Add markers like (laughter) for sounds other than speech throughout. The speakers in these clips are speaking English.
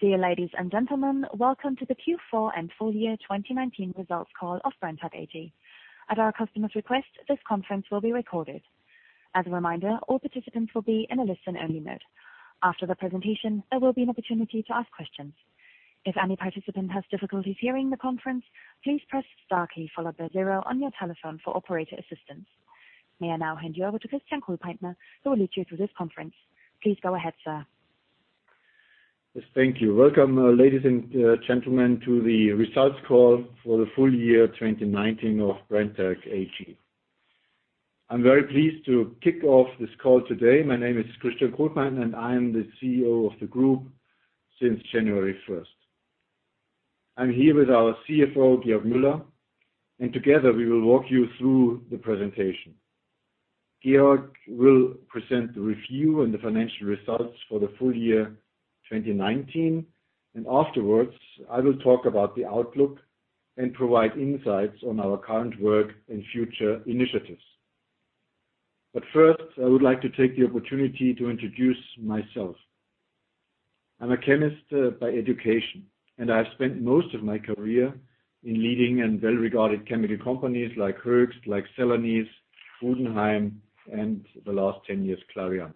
Dear ladies and gentlemen, welcome to the Q4 and full year 2019 results call of Brenntag AG. At our customers' request, this conference will be recorded. As a reminder, all participants will be in a listen-only mode. After the presentation, there will be an opportunity to ask questions. If any participant has difficulties hearing the conference, please press star followed by zero on your telephone for operator assistance. May I now hand you over to Christian Kohlpaintner, who will lead you through this conference. Please go ahead, sir. Yes. Thank you. Welcome, ladies and gentlemen, to the results call for the full year 2019 of Brenntag AG. I'm very pleased to kick off this call today. My name is Christian Kohlpaintner, and I am the Chief Executive Officer of the group since January 1st. I'm here with our Chief Financial Officer, Georg Müller, and together we will walk you through the presentation. Georg will present the review and the financial results for the full year 2019, and afterwards, I will talk about the outlook and provide insights on our current work and future initiatives. First, I would like to take the opportunity to introduce myself. I'm a chemist by education, and I have spent most of my career in leading and well-regarded chemical companies like Hoechst, like Celanese, Budenheim, and the last 10 years, Clariant.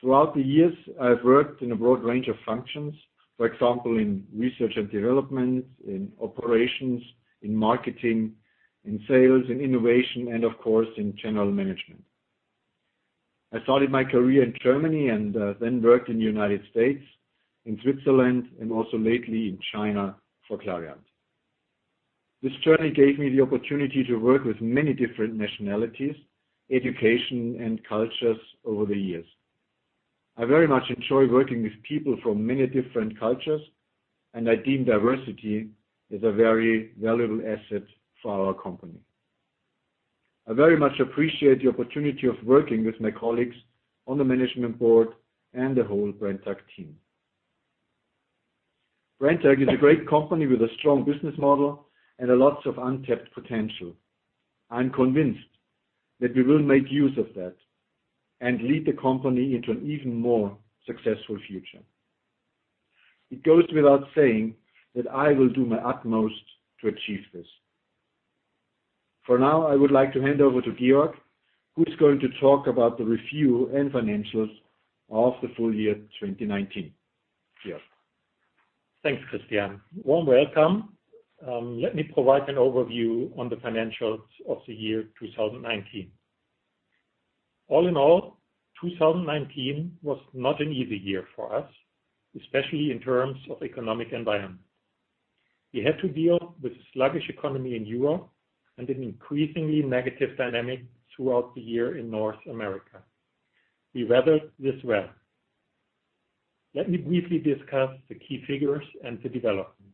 Throughout the years, I've worked in a broad range of functions, for example, in research and development, in operations, in marketing, in sales and innovation, and of course, in general management. I started my career in Germany and then worked in the U.S., in Switzerland, and also lately in China for Clariant. This journey gave me the opportunity to work with many different nationalities, education, and cultures over the years. I very much enjoy working with people from many different cultures, and I deem diversity as a very valuable asset for our company. I very much appreciate the opportunity of working with my colleagues on the management board and the whole Brenntag team. Brenntag is a great company with a strong business model and a lot of untapped potential. I'm convinced that we will make use of that and lead the company into an even more successful future. It goes without saying that I will do my utmost to achieve this. For now, I would like to hand over to Georg, who's going to talk about the review and financials of the full year 2019. Georg Müller? Thanks, Christian. Warm welcome. Let me provide an overview on the financials of the year 2019. All in all, 2019 was not an easy year for us, especially in terms of economic environment. We had to deal with the sluggish economy in Europe and an increasingly negative dynamic throughout the year in North America. We weathered this well. Let me briefly discuss the key figures and the development.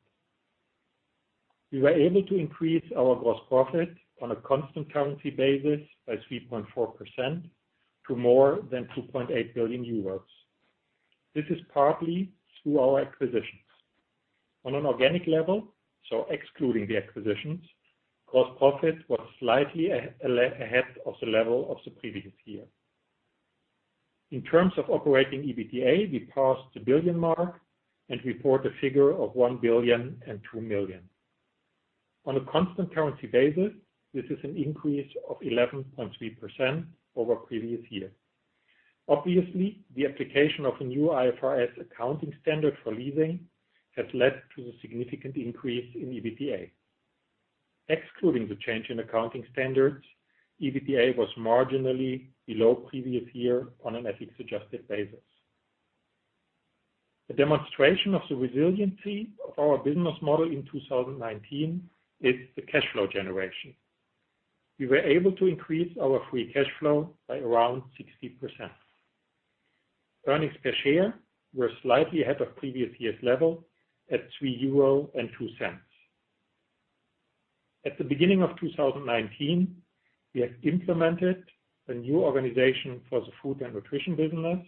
We were able to increase our gross profit on a constant currency basis by 3.4% to more than 2.8 billion euros. This is partly through our acquisitions. On an organic level, so excluding the acquisitions, gross profit was slightly ahead of the level of the previous year. In terms of operating EBITDA, we passed the billion mark and report a figure of 1.002 billion. On a constant currency basis, this is an increase of 11.3% over previous year. Obviously, the application of a new IFRS accounting standard for leasing has led to the significant increase in EBITDA. Excluding the change in accounting standards, EBITDA was marginally below previous year on an FX adjusted basis. A demonstration of the resiliency of our business model in 2019 is the cash flow generation. We were able to increase our free cash flow by around 60%. Earnings per share were slightly ahead of previous year's level at 3.02 euro. At the beginning of 2019, we have implemented a new organization for the Food & Nutrition business.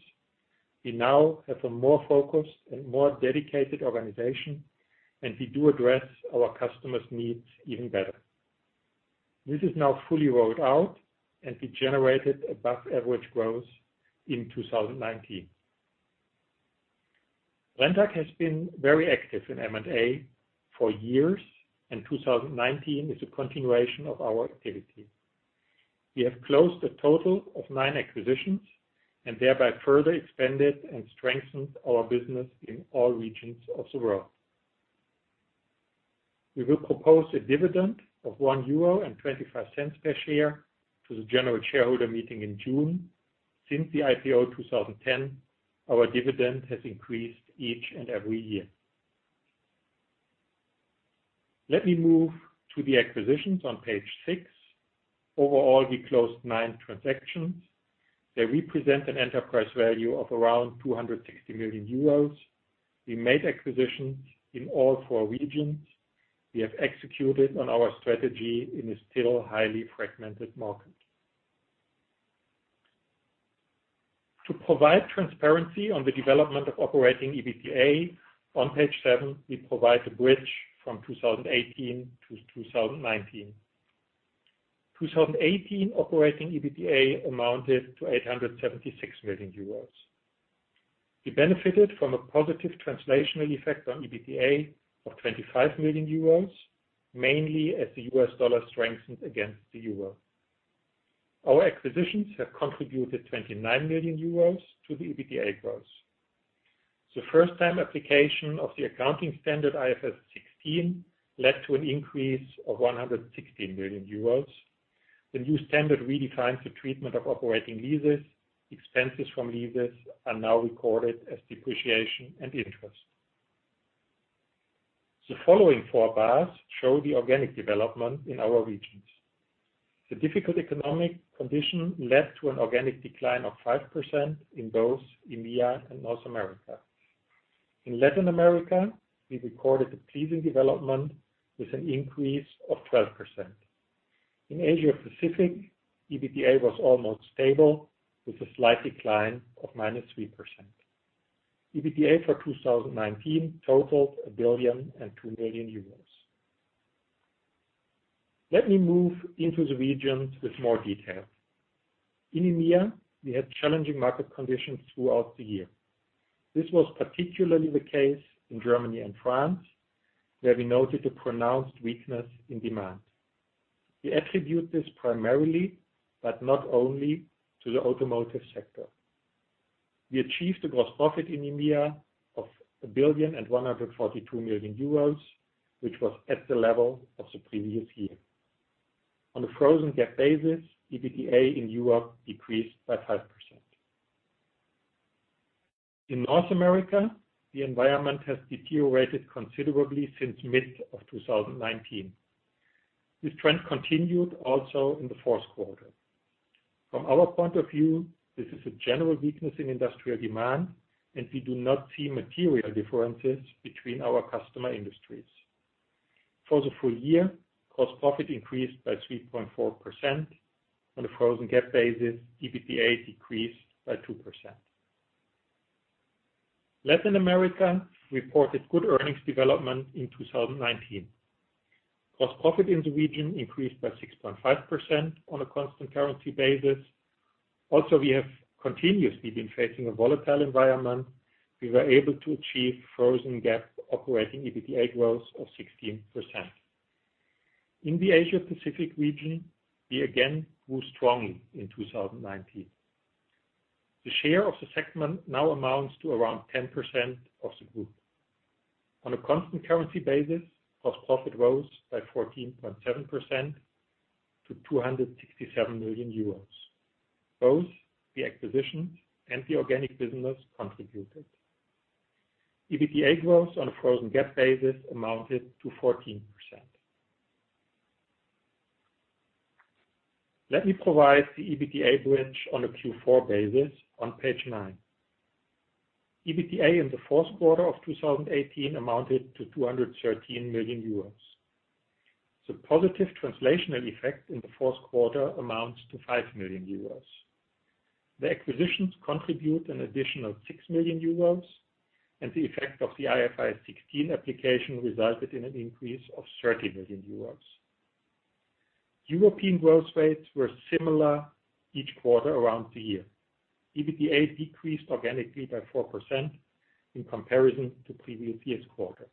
We now have a more focused and more dedicated organization. We do address our customers' needs even better. This is now fully rolled out. We generated above-average growth in 2019. Brenntag has been very active in M&A for years. 2019 is a continuation of our activity. We have closed a total of nine acquisitions and thereby further expanded and strengthened our business in all regions of the world. We will propose a dividend of 1.25 euro per share to the general shareholder meeting in June. Since the IPO 2010, our dividend has increased each and every year. Let me move to the acquisitions on page six. Overall, we closed nine transactions. They represent an enterprise value of around 260 million euros. We made acquisitions in all four regions. We have executed on our strategy in a still highly fragmented market. To provide transparency on the development of operating EBITDA, on page seven, we provide the bridge from 2018 to 2019. 2018 operating EBITDA amounted to 876 million euros. We benefited from a positive translational effect on EBITDA of 25 million euros, mainly as the US dollar strengthened against the euro. Our acquisitions have contributed 29 million euros to the EBITDA growth. The first time application of the accounting standard IFRS 16 led to an increase of 116 million euros. The new standard redefines the treatment of operating leases. Expenses from leases are now recorded as depreciation and interest. The following four bars show the organic development in our regions. The difficult economic condition led to an organic decline of 5% in both EMEA and North America. In Latin America, we recorded a pleasing development with an increase of 12%. In Asia-Pacific, EBITDA was almost stable with a slight decline of -3%. EBITDA for 2019 totaled 1,002 million euros. Let me move into the regions with more detail. In EMEA, we had challenging market conditions throughout the year. This was particularly the case in Germany and France, where we noted a pronounced weakness in demand. We attribute this primarily, but not only, to the automotive sector. We achieved a gross profit in EMEA of 1 billion and 142 million euros, which was at the level of the previous year. On a frozen GAAP basis, EBITDA in Europe decreased by 5%. In North America, the environment has deteriorated considerably since mid of 2019. This trend continued also in the fourth quarter. From our point of view, this is a general weakness in industrial demand and we do not see material differences between our customer industries. For the full year, gross profit increased by 3.4%. On a frozen GAAP basis, EBITDA decreased by 2%. Latin America reported good earnings development in 2019. Gross profit in the region increased by 6.5% on a constant currency basis. Also, we have continuously been facing a volatile environment. We were able to achieve frozen GAAP operating EBITDA growth of 16%. In the Asia-Pacific region, we again grew strongly in 2019. The share of the segment now amounts to around 10% of the group. On a constant currency basis, gross profit rose by 14.7% to 267 million euros. Both the acquisitions and the organic business contributed. EBITDA growth on a frozen GAAP basis amounted to 14%. Let me provide the EBITDA bridge on a Q4 basis on page nine. EBITDA in the fourth quarter of 2018 amounted to 213 million euros. The positive translational effect in the fourth quarter amounts to 5 million euros. The acquisitions contribute an additional 6 million euros, and the effect of the IFRS 16 application resulted in an increase of 30 million euros. European growth rates were similar each quarter around the year. EBITDA decreased organically by 4% in comparison to previous year's quarter.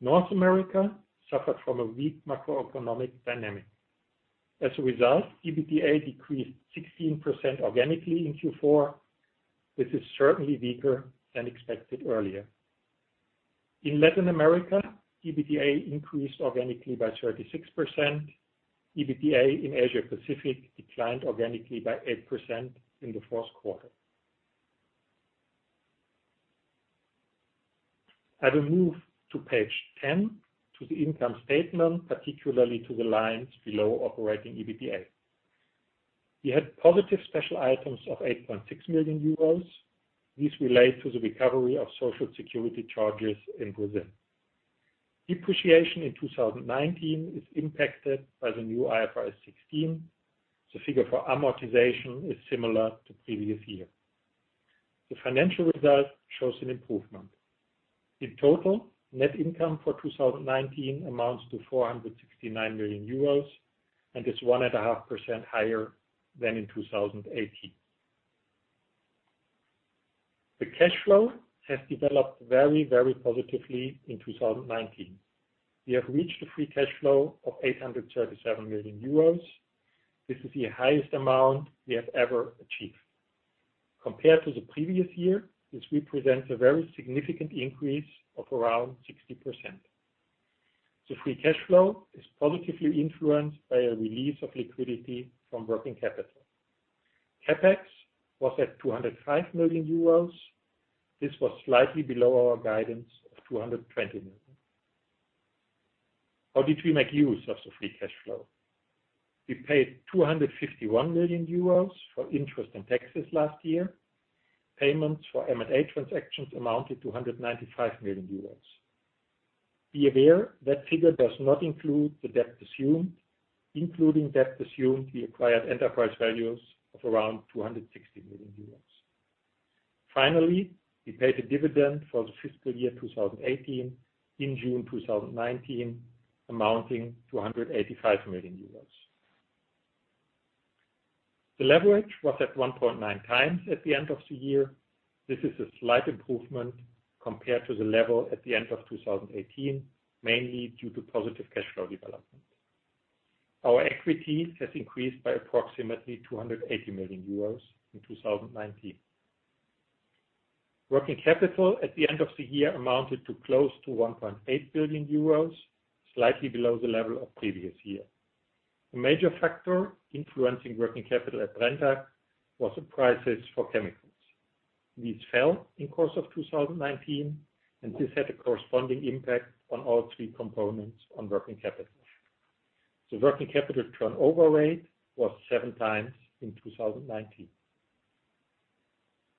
North America suffered from a weak macroeconomic dynamic. As a result, EBITDA decreased 16% organically in Q4, which is certainly weaker than expected earlier. In Latin America, EBITDA increased organically by 36%. EBITDA in Asia-Pacific declined organically by 8% in the fourth quarter. I will move to page 10 to the income statement, particularly to the lines below operating EBITDA. We had positive special items of 8.6 million euros. This relates to the recovery of Social Security charges in Brazil. Depreciation in 2019 is impacted by the new IFRS 16. The figure for amortization is similar to previous year. The financial result shows an improvement. In total, net income for 2019 amounts to 469 million euros and is 1.5% higher than in 2018. The cash flow has developed very positively in 2019. We have reached a free cash flow of 837 million euros. This is the highest amount we have ever achieved. Compared to the previous year, this represents a very significant increase of around 60%. The free cash flow is positively influenced by a release of liquidity from working capital. CapEx was at 205 million euros. This was slightly below our guidance of 220 million. How did we make use of the free cash flow? We paid 251 million euros for interest and taxes last year. Payments for M&A transactions amounted to 195 million euros. Be aware that figure does not include the debt assumed. Including debt assumed, we acquired enterprise values of around 260 million euros. Finally, we paid a dividend for the fiscal year 2018 in June 2019, amounting to EUR 185 million. The leverage was at 1.9x at the end of the year. This is a slight improvement compared to the level at the end of 2018, mainly due to positive cash flow development. Our equity has increased by approximately 280 million euros in 2019. Working capital at the end of the year amounted to close to 1.8 billion euros, slightly below the level of previous year. A major factor influencing working capital at Brenntag was the prices for chemicals. These fell in course of 2019, and this had a corresponding impact on all three components on working capital. The working capital turnover rate was seven times in 2019.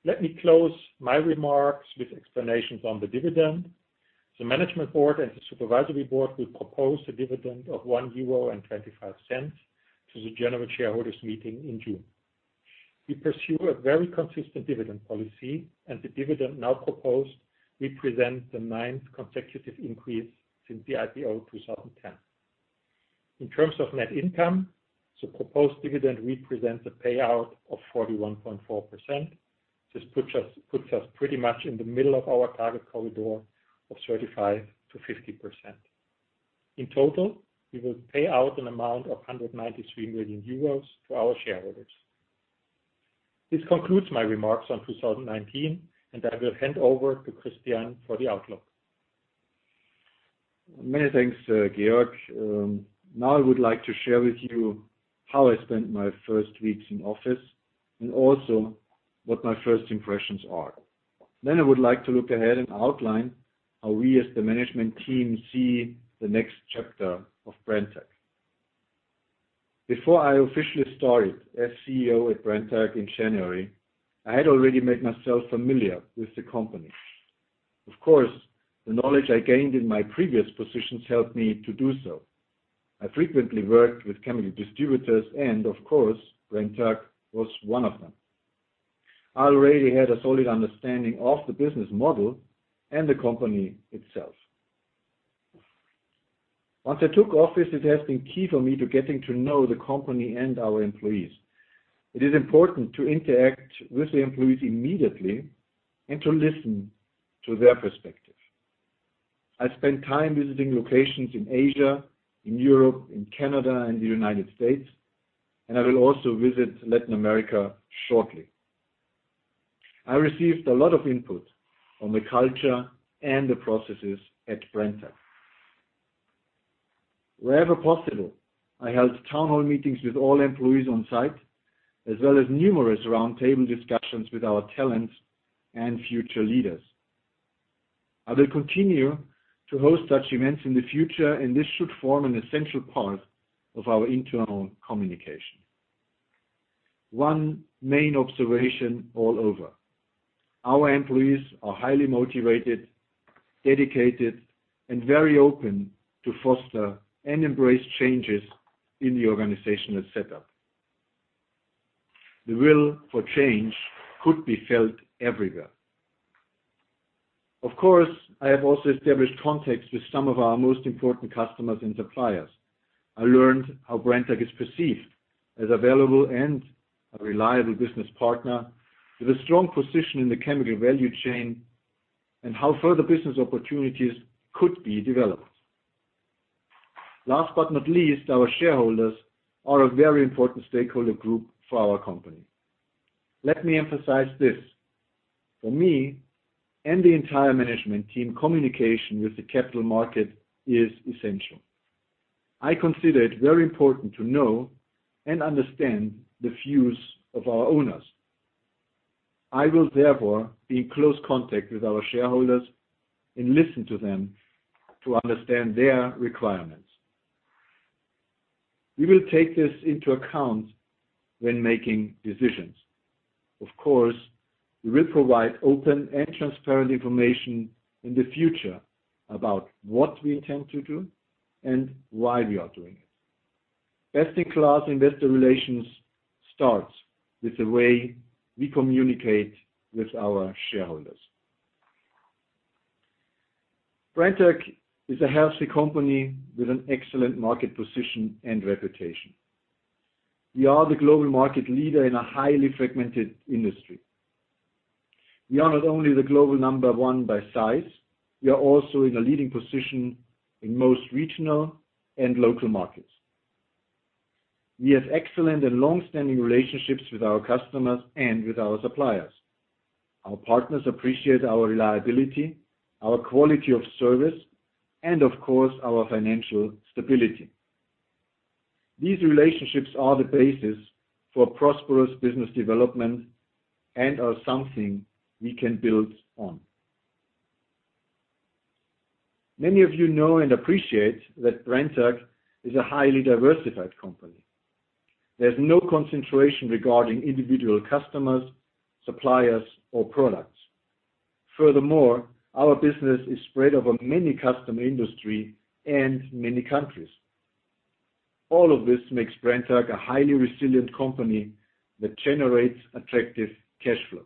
Let me close my remarks with explanations on the dividend. The management board and the supervisory board will propose a dividend of 1.25 euro to the general shareholders meeting in June. We pursue a very consistent dividend policy, and the dividend now proposed represents the ninth consecutive increase since the IPO 2010. In terms of net income, the proposed dividend represents a payout of 41.4%. This puts us pretty much in the middle of our target corridor of 35%-50%. In total, we will pay out an amount of 193 million euros to our shareholders. This concludes my remarks on 2019, and I will hand over to Christian for the outlook. Many thanks, Georg. Now I would like to share with you how I spent my first weeks in office and also what my first impressions are. I would like to look ahead and outline how we as the management team see the next chapter of Brenntag. Before I officially started as CEO at Brenntag in January, I had already made myself familiar with the company. Of course, the knowledge I gained in my previous positions helped me to do so. I frequently worked with chemical distributors and of course, Brenntag was one of them. I already had a solid understanding of the business model and the company itself. Once I took office, it has been key for me to getting to know the company and our employees. It is important to interact with the employees immediately and to listen to their perspective. I spent time visiting locations in Asia, in Europe, in Canada, and the United States, and I will also visit Latin America shortly. I received a lot of input on the culture and the processes at Brenntag. Wherever possible, I held town hall meetings with all employees on site, as well as numerous round table discussions with our talents and future leaders. I will continue to host such events in the future, and this should form an essential part of our internal communication. One main observation all over: Our employees are highly motivated, dedicated, and very open to foster and embrace changes in the organizational setup. The will for change could be felt everywhere. Of course, I have also established contacts with some of our most important customers and suppliers. I learned how Brenntag is perceived as a valuable and a reliable business partner with a strong position in the chemical value chain, and how further business opportunities could be developed. Last but not least, our shareholders are a very important stakeholder group for our company. Let me emphasize this. For me and the entire management team, communication with the capital market is essential. I consider it very important to know and understand the views of our owners. I will therefore be in close contact with our shareholders and listen to them to understand their requirements. We will take this into account when making decisions. Of course, we will provide open and transparent information in the future about what we intend to do and why we are doing it. Best-in-class investor relations starts with the way we communicate with our shareholders. Brenntag is a healthy company with an excellent market position and reputation. We are the global market leader in a highly fragmented industry. We are not only the global number one by size, we are also in a leading position in most regional and local markets. We have excellent and long-standing relationships with our customers and with our suppliers. Our partners appreciate our reliability, our quality of service, and of course, our financial stability. These relationships are the basis for prosperous business development and are something we can build on. Many of you know and appreciate that Brenntag is a highly diversified company. There's no concentration regarding individual customers, suppliers, or products. Furthermore, our business is spread over many customer industry and many countries. All of this makes Brenntag a highly resilient company that generates attractive cash flows.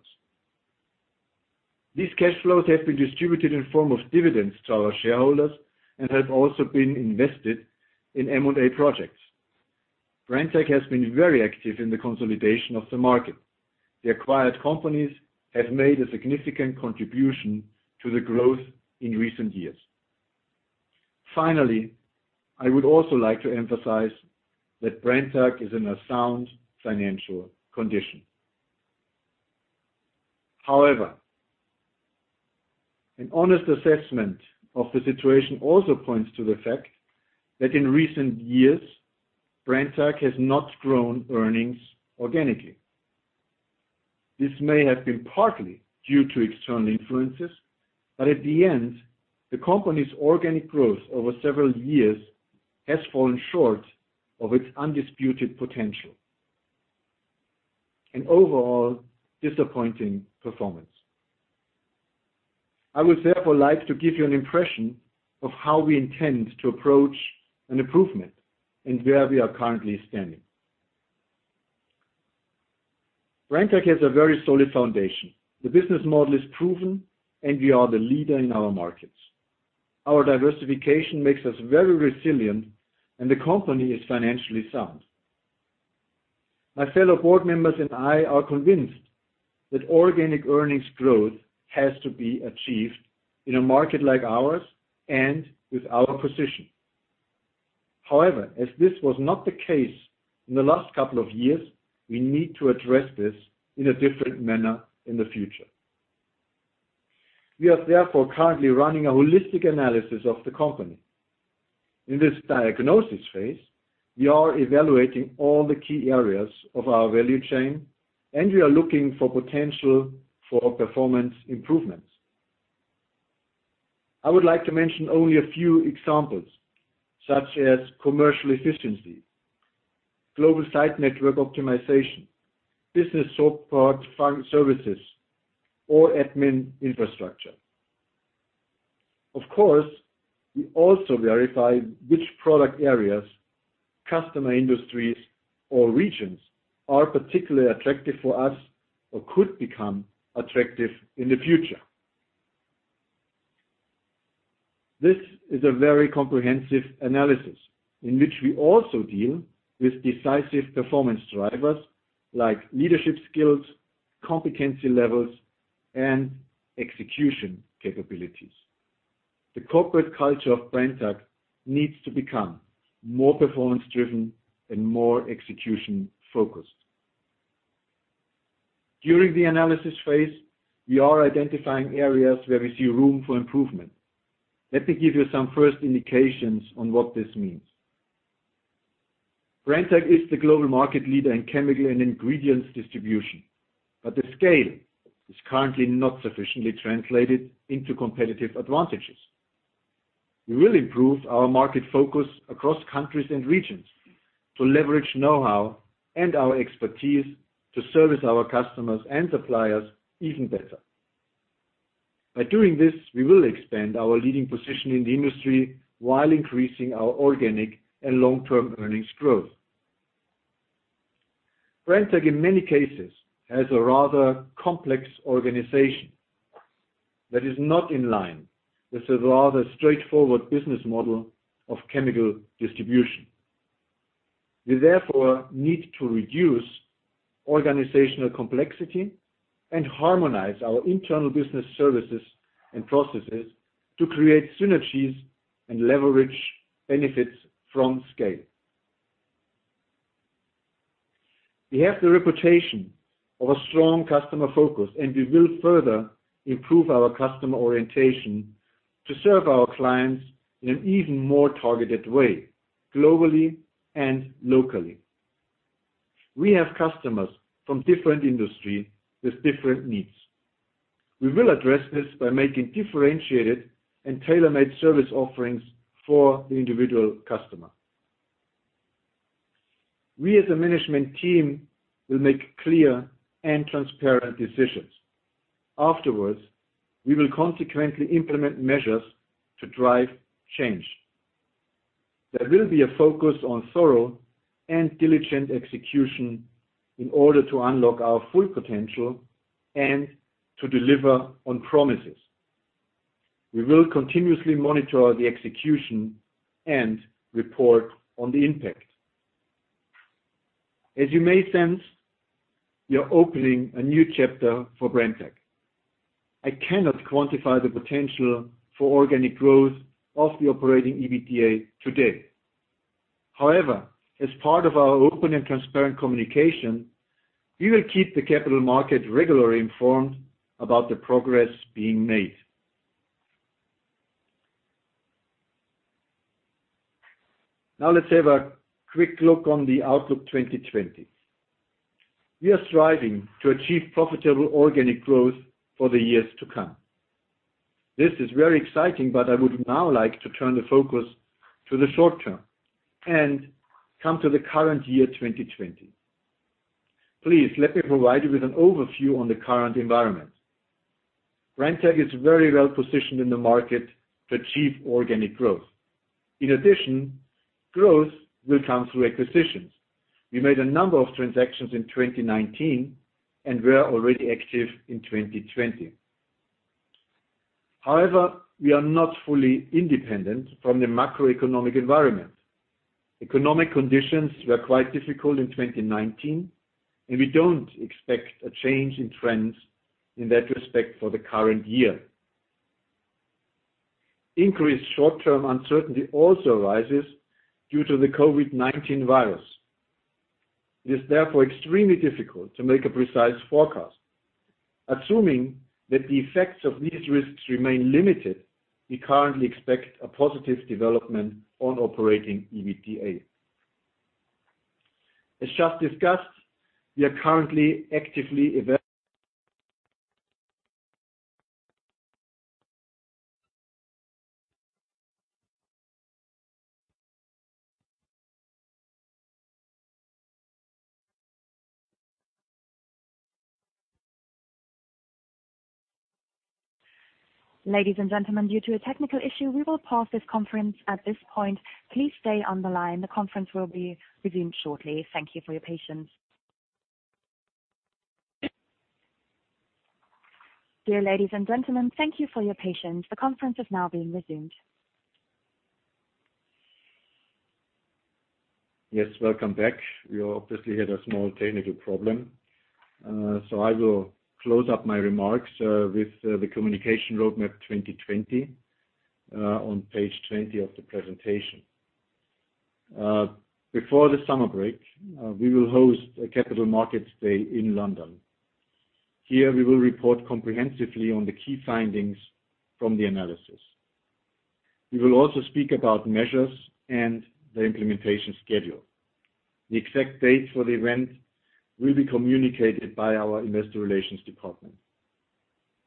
These cash flows have been distributed in form of dividends to our shareholders and have also been invested in M&A projects. Brenntag has been very active in the consolidation of the market. The acquired companies have made a significant contribution to the growth in recent years. Finally, I would also like to emphasize that Brenntag is in a sound financial condition. However, an honest assessment of the situation also points to the fact that in recent years, Brenntag has not grown earnings organically. This may have been partly due to external influences, but at the end, the company's organic growth over several years has fallen short of its undisputed potential. An overall disappointing performance. I would therefore like to give you an impression of how we intend to approach an improvement and where we are currently standing. Brenntag has a very solid foundation. The business model is proven, and we are the leader in our markets. Our diversification makes us very resilient, and the company is financially sound. My fellow board members and I are convinced that organic earnings growth has to be achieved in a market like ours and with our position. However, as this was not the case in the last couple of years, we need to address this in a different manner in the future. We are therefore currently running a holistic analysis of the company. In this diagnosis phase, we are evaluating all the key areas of our value chain, and we are looking for potential for performance improvements. I would like to mention only a few examples, such as commercial efficiency, global site network optimization, business support services, or admin infrastructure. Of course, we also verify which product areas, customer industries, or regions are particularly attractive for us or could become attractive in the future. This is a very comprehensive analysis in which we also deal with decisive performance drivers like leadership skills, competency levels, and execution capabilities. The corporate culture of Brenntag needs to become more performance-driven and more execution-focused. During the analysis phase, we are identifying areas where we see room for improvement. Let me give you some first indications on what this means. Brenntag is the global market leader in chemical and ingredients distribution, the scale is currently not sufficiently translated into competitive advantages. We will improve our market focus across countries and regions to leverage knowhow and our expertise to service our customers and suppliers even better. By doing this, we will expand our leading position in the industry while increasing our organic and long-term earnings growth. Brenntag, in many cases, has a rather complex organization that is not in line with the rather straightforward business model of chemical distribution. We therefore need to reduce organizational complexity and harmonize our internal business services and processes to create synergies and leverage benefits from scale. We have the reputation of a strong customer focus, and we will further improve our customer orientation to serve our clients in an even more targeted way, globally and locally. We have customers from different industry with different needs. We will address this by making differentiated and tailor-made service offerings for the individual customer. We, as a management team, will make clear and transparent decisions. Afterwards, we will consequently implement measures to drive change. There will be a focus on thorough and diligent execution in order to unlock our full potential and to deliver on promises. We will continuously monitor the execution and report on the impact. As you may sense, we are opening a new chapter for Brenntag. I cannot quantify the potential for organic growth of the operating EBITDA today. As part of our open and transparent communication, we will keep the capital market regularly informed about the progress being made. Let's have a quick look on the outlook 2020. We are striving to achieve profitable organic growth for the years to come. This is very exciting. I would now like to turn the focus to the short term and come to the current year 2020. Please let me provide you with an overview on the current environment. Brenntag is very well positioned in the market to achieve organic growth. In addition, growth will come through acquisitions. We made a number of transactions in 2019, and we are already active in 2020. We are not fully independent from the macroeconomic environment. Economic conditions were quite difficult in 2019, we don't expect a change in trends in that respect for the current year. Increased short-term uncertainty also rises due to the COVID-19 virus. It is therefore extremely difficult to make a precise forecast. Assuming that the effects of these risks remain limited, we currently expect a positive development on operating EBITDA. As just discussed, we are currently actively. (audio distortion) Ladies and gentlemen, due to a technical issue, we will pause this conference at this point. Please stay on the line. The conference will be resumed shortly. Thank you for your patience. Dear ladies and gentlemen, thank you for your patience. The conference is now being resumed. Yes. Welcome back. We obviously had a small technical problem. I will close up my remarks with the communication roadmap 2020, on page 20 of the presentation. Before the summer break, we will host a Capital Markets Day in London. Here we will report comprehensively on the key findings from the analysis. We will also speak about measures and the implementation schedule. The exact date for the event will be communicated by our investor relations department.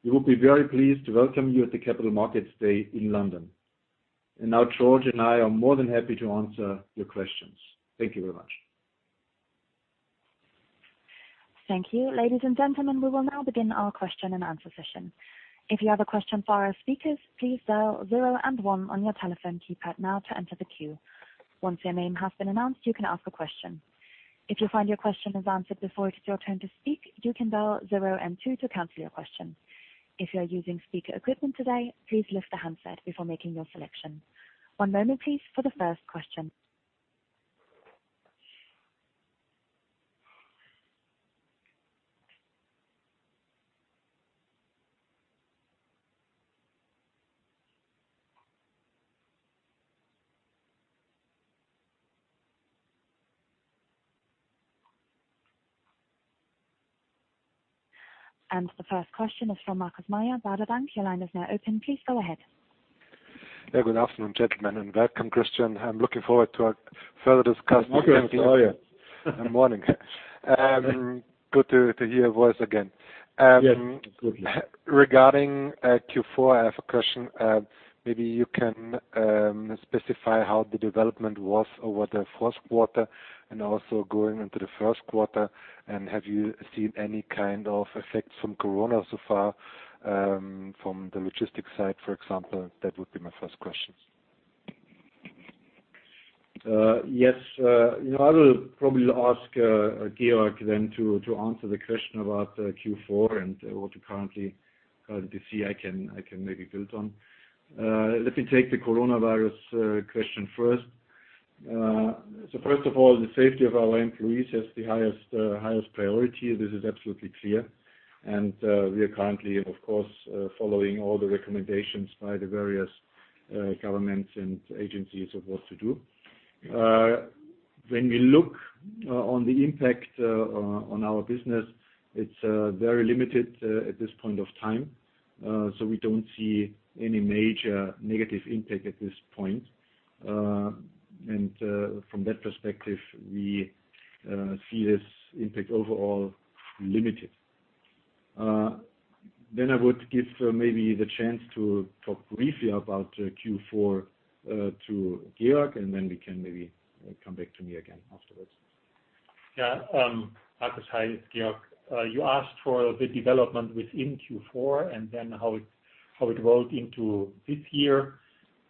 We will be very pleased to welcome you at the Capital Markets Day in London. Now Georg and I are more than happy to answer your questions. Thank you very much. Thank you. Ladies and gentlemen, we will now begin our question and answer session. If you have a question for our speakers, please dial zero and one on your telephone keypad now to enter the queue. Once your name has been announced, you can ask a question. If you find your question is answered before it is your turn to speak, you can dial zero and two to cancel your question. If you are using speaker equipment today, please lift the handset before making your selection. One moment please, for the first question. And the first question is from Markus Mayer, Baader Bank. Your line is now open. Please go ahead. Yeah. Good afternoon, gentlemen. Welcome, Christian. I'm looking forward to further discuss. (crosstalk) Markus, how are you? Morning. Good to hear your voice again. Yes, absolutely. Regarding Q4, I have a question. Maybe you can specify how the development was over the fourth quarter and also going into the first quarter? Have you seen any kind of effects from coronavirus so far, from the logistics side, for example? That would be my first questions. Yes. I will probably ask Georg then to answer the question about Q4 and what we currently see I can maybe build on. Let me take the coronavirus question first. First of all, the safety of our employees has the highest priority. This is absolutely clear. We are currently, of course, following all the recommendations by the various governments and agencies of what to do. When we look on the impact on our business, it's very limited at this point of time. We don't see any major negative impact at this point. From that perspective, we see this impact overall limited. I would give maybe the chance to talk briefly about Q4 to Georg, and then we can maybe come back to me again afterwards. Yeah. Markus, hi, it's Georg. You asked for the development within Q4 and then how it rolled into this year.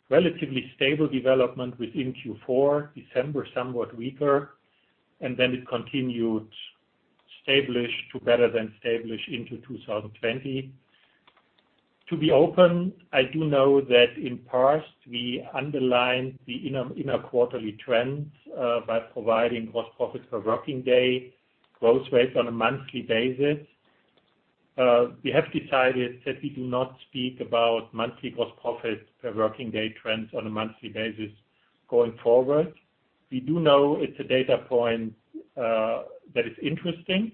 Relatively stable development within Q4, December somewhat weaker, and then it continued established to better than established into 2020. To be open, I do know that in past, we underlined the inner quarterly trends, by providing gross profit per working day, growth rates on a monthly basis. We have decided that we do not speak about monthly gross profit per working day trends on a monthly basis going forward. We do know it's a data point that is interesting,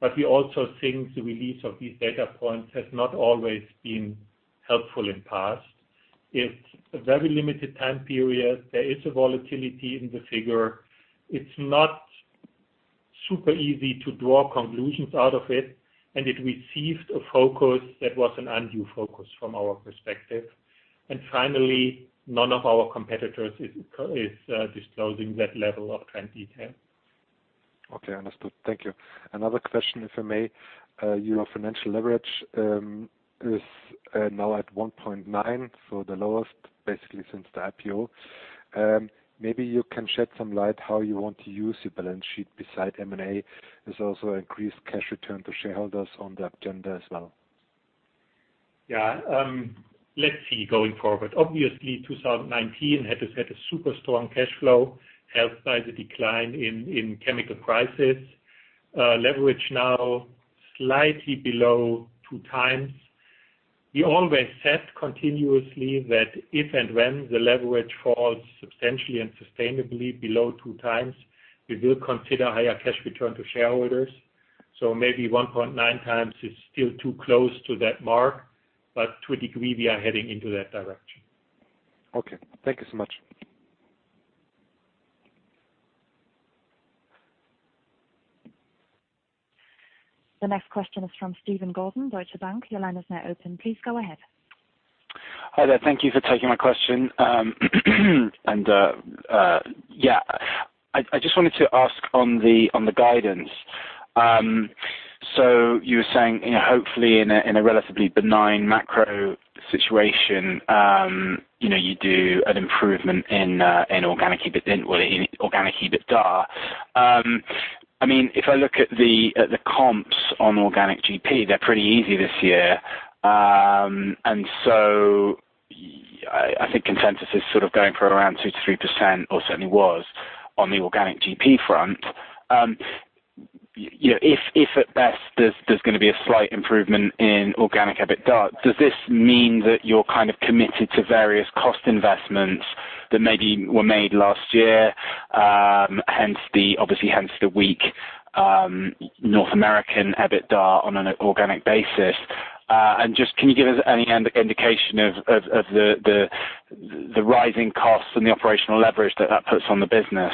but we also think the release of these data points has not always been helpful in past. It's a very limited time period. There is a volatility in the figure. It's not super easy to draw conclusions out of it, and it received a focus that was an undue focus from our perspective. Finally, none of our competitors is disclosing that level of trend detail. Okay, understood. Thank you. Another question, if I may. Your financial leverage is now at 1.9x, so the lowest basically since the IPO. Maybe you can shed some light how you want to use your balance sheet beside M&A. There's also increased cash return to shareholders on the agenda as well. Yeah. Let's see, going forward. Obviously, 2019 had a super strong cash flow, helped by the decline in chemical prices. Leverage now slightly below 2x. We always said continuously that if and when the leverage falls substantially and sustainably below 2x, we will consider higher cash return to shareholders. Maybe 1.9x is still too close to that mark, but to a degree we are heading into that direction. Okay, thank you so much. The next question is from Steven Goulden, Deutsche Bank. Your line is now open. Please go ahead. Hi there. Thank you for taking my question. I just wanted to ask on the guidance. You were saying, hopefully in a relatively benign macro situation, you do an improvement in organic EBITDA. If I look at the comps on organic gross profit, they're pretty easy this year. I think consensus is sort of going for around 2%-3%, or certainly was, on the organic GP front. If at best there's going to be a slight improvement in organic EBITDA, does this mean that you're kind of committed to various cost investments that maybe were made last year, hence the obviously weak North American EBITDA on an organic basis? Can you give us any indication of the rising costs and the operational leverage that that puts on the business,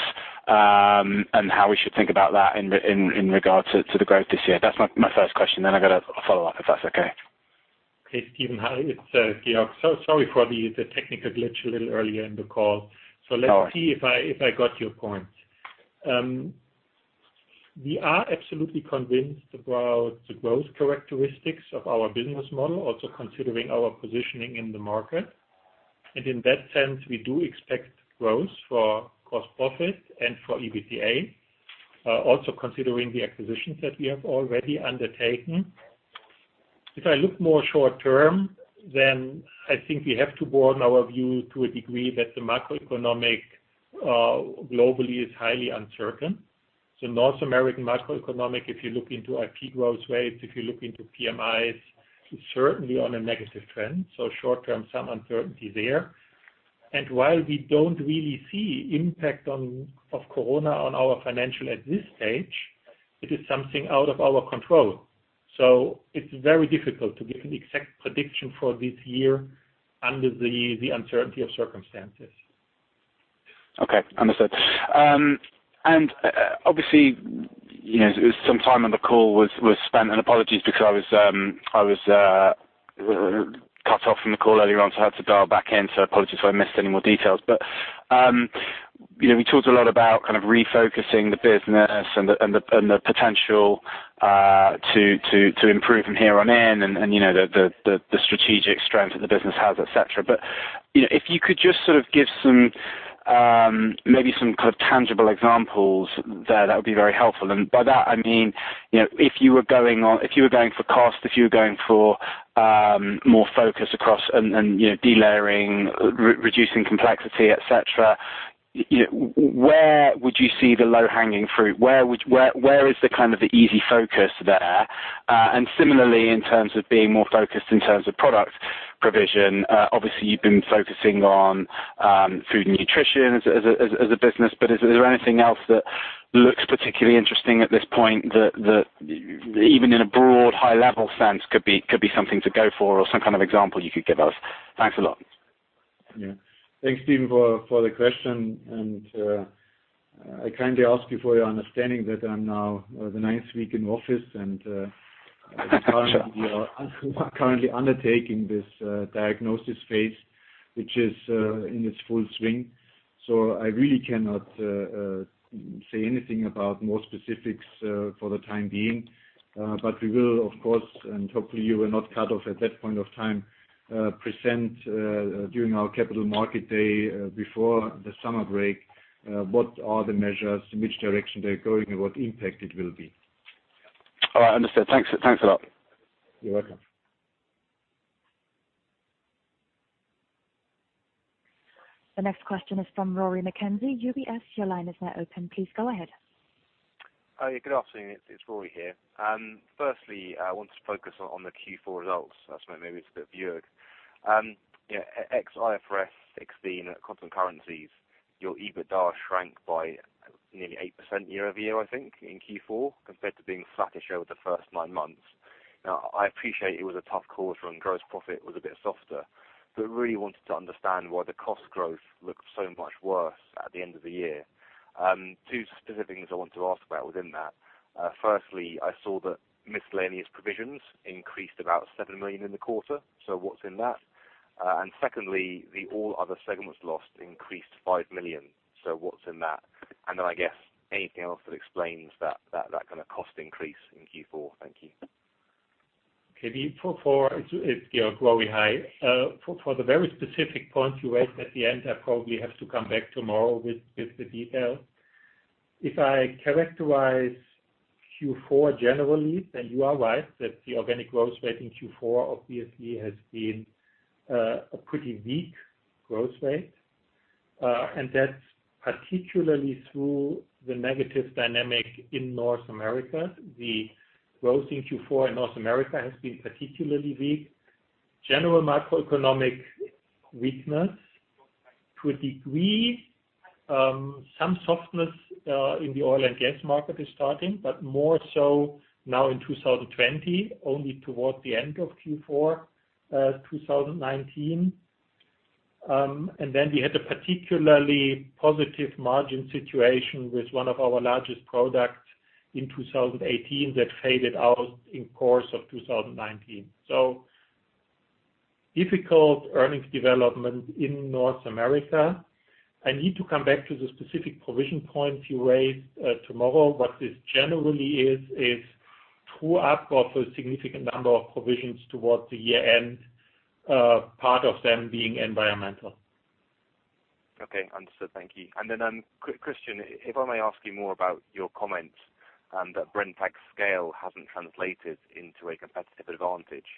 and how we should think about that in regards to the growth this year? That's my first question, then I got a follow-up, if that's okay. Okay, Steven. Hi, it's Georg. Sorry for the technical glitch a little earlier in the call. No worries. Let's see if I got your point. We are absolutely convinced about the growth characteristics of our business model, also considering our positioning in the market. In that sense, we do expect growth for gross profit and for EBITDA, also considering the acquisitions that we have already undertaken. If I look more short term, I think we have to broaden our view to a degree that the macroeconomic globally is highly uncertain. North American macroeconomic, if you look into industrial production growth rates, if you look into purchasing managers' indexes, is certainly on a negative trend. Short term, some uncertainty there. While we don't really see impact of COVID-19 on our financial at this stage, it is something out of our control. It's very difficult to give an exact prediction for this year under the uncertainty of circumstances. Okay. Understood. Obviously, some time on the call was spent, and apologies because I was cut off from the call earlier on, so I had to dial back in. Apologies if I missed any more details. We talked a lot about kind of refocusing the business and the potential to improve from here on in and the strategic strength that the business has, et cetera. If you could just give maybe some kind of tangible examples there, that would be very helpful. By that I mean, if you were going for cost, if you were going for more focus across and de-layering, reducing complexity, et cetera, where would you see the low-hanging fruit? Where is the easy focus there? Similarly, in terms of being more focused in terms of product provision, obviously you've been focusing on Food & Nutrition as a business, but is there anything else that looks particularly interesting at this point that even in a broad high level sense could be something to go for or some kind of example you could give us? Thanks a lot. Yeah. Thanks, Steven, for the question and I kindly ask you for your understanding that I'm now the ninth week in office. Sure. We are currently undertaking this diagnosis phase, which is in its full swing. I really cannot say anything about more specifics for the time being. We will, of course, and hopefully you will not cut off at that point of time, present during our Capital Markets Day before the summer break, what are the measures, in which direction they're going and what impact it will be. All right. Understood. Thanks a lot. You're welcome. The next question is from Rory McKenzie, UBS. Your line is now open. Please go ahead. Hi. Good afternoon. It's Rory here. Firstly, I want to focus on the Q4 results. That's maybe a bit of view. Ex IFRS 16 at constant currencies, your EBITDA shrank by nearly 8% year-over-year, I think, in Q4, compared to being flattish over the first nine months. I appreciate it was a tough quarter and gross profit was a bit softer, but really wanted to understand why the cost growth looked so much worse at the end of the year. Two specific things I want to ask about within that. Firstly, I saw that miscellaneous provisions increased about 7 million in the quarter. What's in that? Secondly, the all other segments lost increased to 5 million. What's in that? Anything else that explains that kind of cost increase in Q4? Thank you. Okay. For Q4, it's growing high. For the very specific point you raised at the end, I probably have to come back tomorrow with the details. If I characterize Q4 generally, you are right that the organic growth rate in Q4 obviously has been a pretty weak growth rate. That's particularly through the negative dynamic in North America. The growth in Q4 in North America has been particularly weak. General macroeconomic weakness to a degree. Some softness in the oil and gas market is starting, but more so now in 2020, only toward the end of Q4 2019. Then we had a particularly positive margin situation with one of our largest products in 2018 that faded out in course of 2019. Difficult earnings development in North America. I need to come back to the specific provision point you raised tomorrow. What this generally is two AdBlue for a significant number of provisions towards the year-end, part of them being environmental. Okay, understood. Thank you. Then, Christian, if I may ask you more about your comments that Brenntag's scale hasn't translated into a competitive advantage.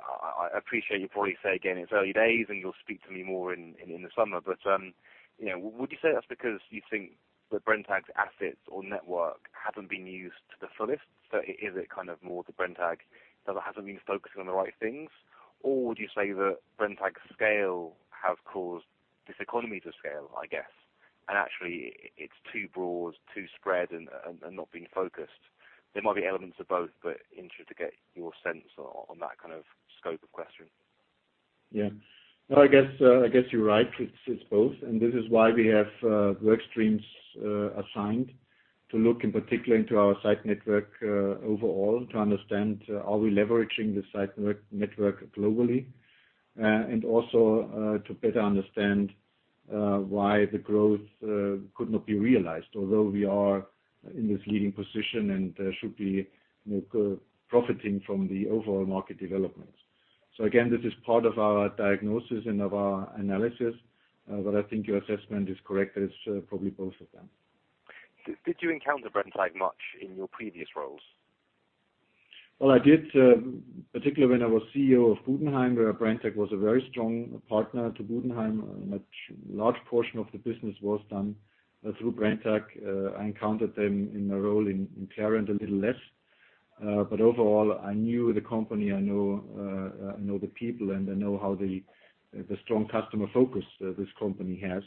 I appreciate you'll probably say again, it's early days, and you'll speak to me more in the summer. Would you say that's because you think that Brenntag's assets or network haven't been used to the fullest? Is it more that Brenntag hasn't been focusing on the right things? Would you say that Brenntag's scale have caused diseconomy to scale, I guess? Actually, it's too broad, too spread, and not being focused. There might be elements of both, but interested to get your sense on that kind of scope of question. Yeah. No, I guess you're right. It's both. This is why we have work streams assigned to look in particular into our site network overall to understand, are we leveraging the site network globally? Also to better understand why the growth could not be realized, although we are in this leading position and should be profiting from the overall market developments. Again, this is part of our diagnosis and of our analysis. I think your assessment is correct, that it's probably both of them. Did you encounter Brenntag much in your previous roles? Well, I did, particularly when I was CEO of Budenheim, where Brenntag was a very strong partner to Budenheim. A large portion of the business was done through Brenntag. I encountered them in my role in Clariant a little less. Overall, I knew the company, I know the people, and I know how the strong customer focus this company has,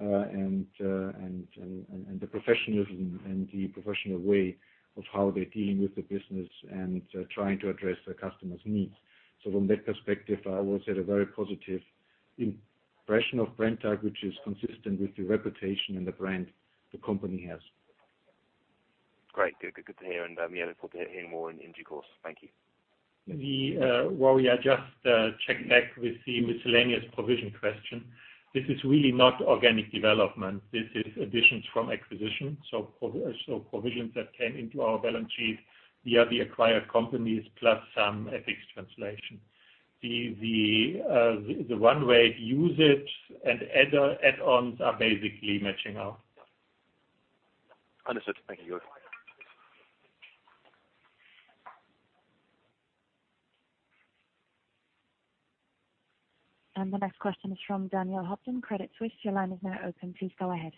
and the professionalism and the professional way of how they're dealing with the business and trying to address their customers' needs. From that perspective, I always had a very positive impression of Brenntag, which is consistent with the reputation and the brand the company has. Great. Good to hear. Yeah, look forward to hearing more in due course. Thank you. Well, yeah, just checking back with the miscellaneous provision question. This is really not organic development. This is additions from acquisition. Provisions that came into our balance sheet via the acquired companies, plus some FX translation. The run rate usage and add-ons are basically matching up. Understood. Thank you. The next question is from Daniel Hobden, Credit Suisse. Your line is now open. Please go ahead.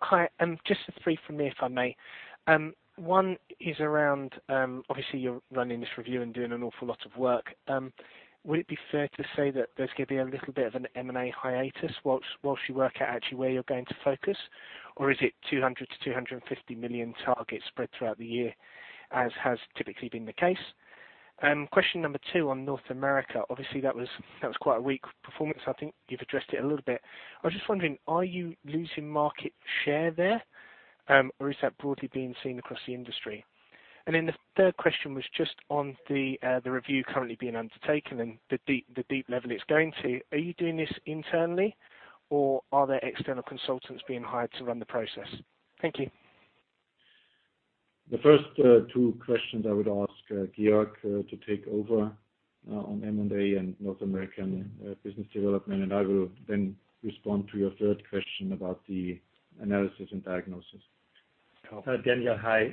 Hi. Just three from me, if I may. One is around, obviously you're running this review and doing an awful lot of work. Would it be fair to say that there's going to be a little bit of an M&A hiatus whilst you work out actually where you're going to focus? Or is it 200 million-250 million target spread throughout the year, as has typically been the case? Question number two on North America. Obviously, that was quite a weak performance. I think you've addressed it a little bit. I was just wondering, are you losing market share there? Or is that broadly being seen across the industry? The third question was just on the review currently being undertaken and the deep level it's going to. Are you doing this internally? Or are there external consultants being hired to run the process? Thank you. The first two questions I would ask Georg to take over on M&A and North American business development, and I will then respond to your third question about the analysis and diagnosis. Daniel, hi.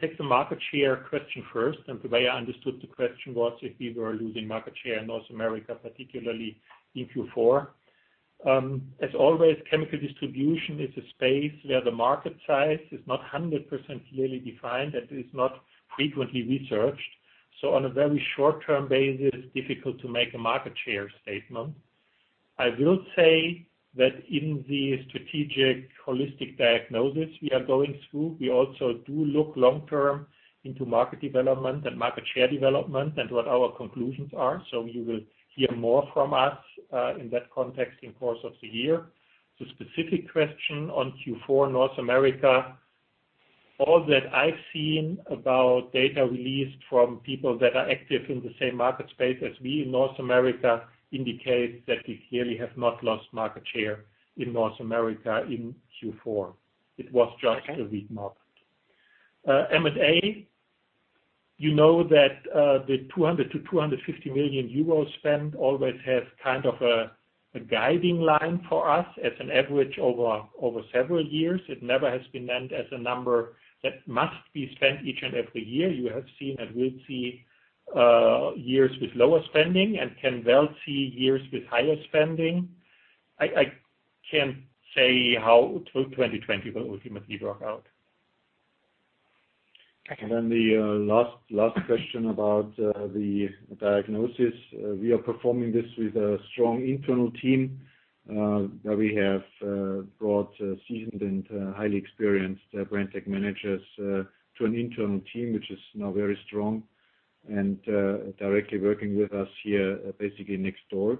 Take the market share question first. The way I understood the question was if we were losing market share in North America, particularly in Q4. As always, chemical distribution is a space where the market size is not 100% clearly defined and is not frequently researched. On a very short-term basis, it is difficult to make a market share statement. I will say that in the strategic holistic diagnosis we are going through, we also do look long-term into market development and market share development and what our conclusions are. You will hear more from us in that context in course of the year. To specific question on Q4 North America. All that I've seen about data released from people that are active in the same market space as we in North America indicate that we clearly have not lost market share in North America in Q4. It was just a weak market. M&A, you know that the 200 million-250 million euros spend always has kind of a guiding line for us as an average over several years. It never has been meant as a number that must be spent each and every year. You have seen, and will see years with lower spending, and can well see years with higher spending. I can't say how 2020 will ultimately work out. The last question about the diagnosis. We are performing this with a strong internal team, where we have brought seasoned and highly experienced Brenntag managers to an internal team, which is now very strong and directly working with us here, basically next door.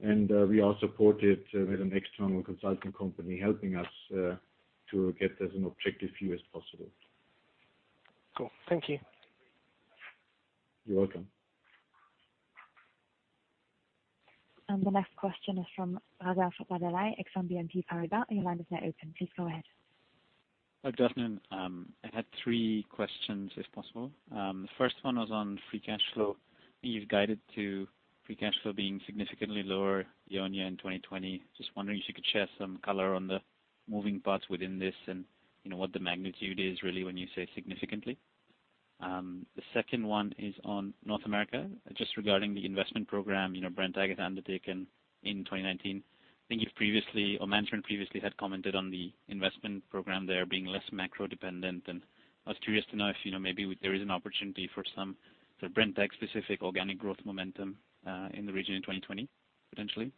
We are supported with an external consulting company helping us to get as an objective view as possible. Cool. Thank you. You're welcome. The next question is from Adarsh Radhay, Exane BNP Paribas. Your line is now open. Please go ahead. Good afternoon. I had three questions, if possible. The first one was on free cash flow. You've guided to free cash flow being significantly lower year-on-year in 2020. Just wondering if you could share some color on the moving parts within this, and what the magnitude is really when you say significantly? The second one is on North America, just regarding the investment program Brenntag has undertaken in 2019. I think you previously, or Manfred previously had commented on the investment program there being less macro dependent. I was curious to know if maybe there is an opportunity for some sort of Brenntag-specific organic growth momentum in the region in 2020, potentially.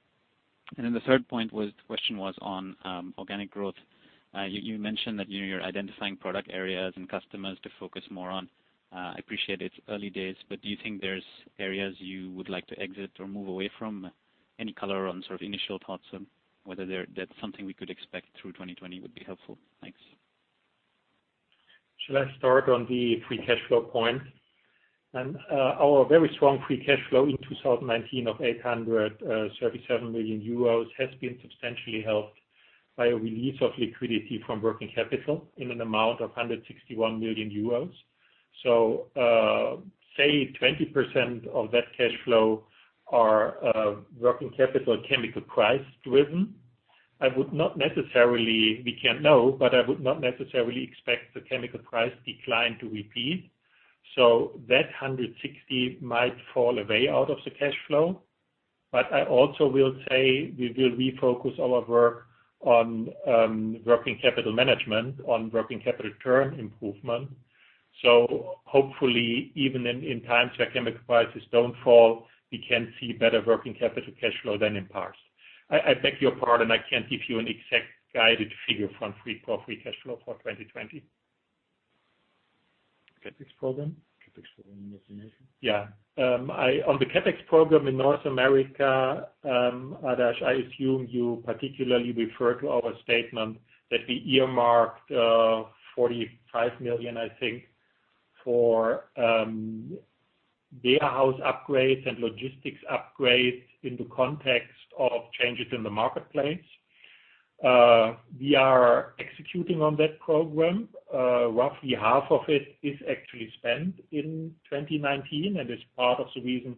The third point was the question was on organic growth. You mentioned that you're identifying product areas and customers to focus more on. I appreciate it's early days, but do you think there's areas you would like to exit or move away from? Any color on sort of initial thoughts on whether that's something we could expect through 2020 would be helpful. Thanks. Shall I start on the free cash flow point? Our very strong free cash flow in 2019 of 837 million euros has been substantially helped by a release of liquidity from working capital in an amount of 161 million euros. Say 20% of that cash flow are working capital chemical price driven. I would not necessarily, we can't know, but I would not necessarily expect the chemical price decline to repeat. That 160 million might fall away out of the cash flow. I also will say we will refocus our work on working capital management, on working capital turn improvement. Hopefully even in times where chemical prices don't fall, we can see better working capital cash flow than in past. I beg your pardon, I can't give you an exact guided figure for free cash flow for 2020. CapEx program? Yeah. On the CapEx program in North America, Adarsh, I assume you particularly refer to our statement that we earmarked 45 million, I think, for warehouse upgrades and logistics upgrades in the context of changes in the marketplace. We are executing on that program. Roughly half of it is actually spent in 2019 and is part of the reason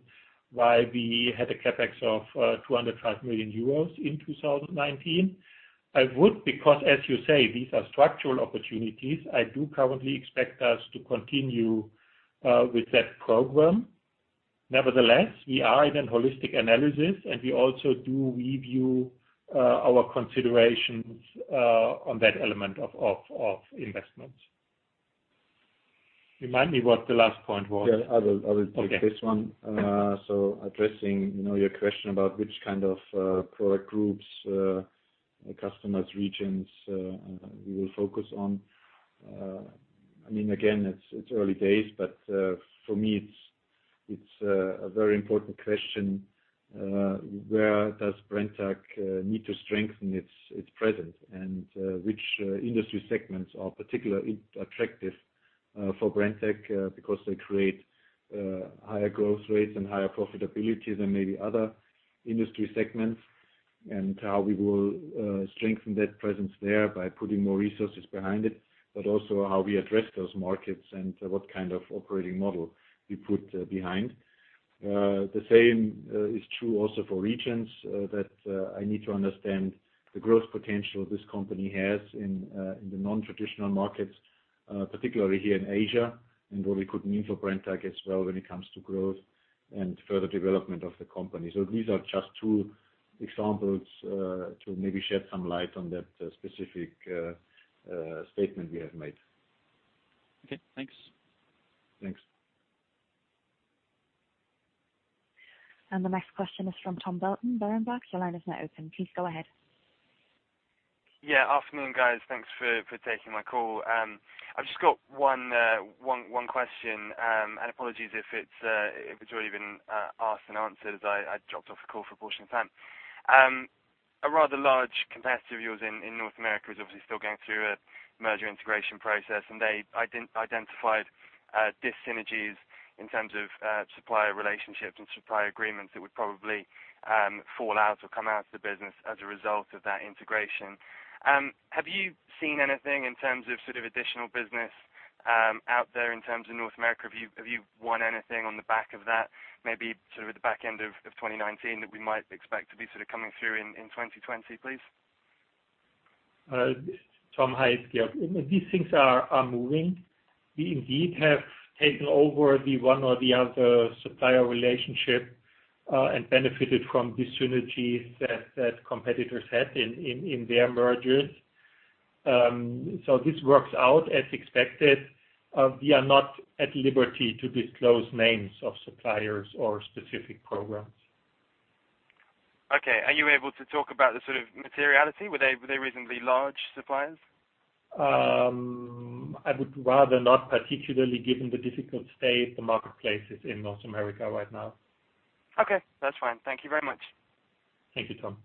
why we had a CapEx of 205 million euros in 2019. I would, because as you say, these are structural opportunities, I do currently expect us to continue with that program. Nevertheless, we are in a holistic analysis, and we also do review our considerations on that element of investments. Remind me what the last point was. Yeah. I will take this one. Okay. Addressing your question about which kind of product groups, customers, regions we will focus on. Again, it's early days, but for me, it's a very important question, where does Brenntag need to strengthen its presence? Which industry segments are particularly attractive for Brenntag because they create higher growth rates and higher profitability than maybe other industry segments. How we will strengthen that presence there by putting more resources behind it, but also how we address those markets and what kind of operating model we put behind? The same is true also for regions, that I need to understand the growth potential this company has in the non-traditional markets, particularly here in Asia, and what it could mean for Brenntag as well when it comes to growth and further development of the company? These are just two examples to maybe shed some light on that specific statement we have made. Okay. Thanks. Thanks. The next question is from Tom Swoboda, Société Générale. Your line is now open. Please go ahead. Yeah. Afternoon, guys. Thanks for taking my call. I've just got one question, and apologies if it's already been asked and answered as I dropped off the call for a portion of time. A rather large competitor of yours in North America is obviously still going through a merger integration process, and they identified dis-synergies in terms of supplier relationships and supplier agreements that would probably fall out or come out of the business as a result of that integration. Have you seen anything in terms of additional business out there in terms of North America? Have you won anything on the back of that, maybe at the back end of 2019 that we might expect to be coming through in 2020, please? Tom, hi, it's Georg. These things are moving. We indeed have taken over the one or the other supplier relationship and benefited from the synergies that competitors had in their mergers. This works out as expected. We are not at liberty to disclose names of suppliers or specific programs. Okay. Are you able to talk about the sort of materiality? Were they reasonably large suppliers? I would rather not, particularly given the difficult state the marketplace is in North America right now. Okay, that's fine. Thank you very much. Thank you, Tom.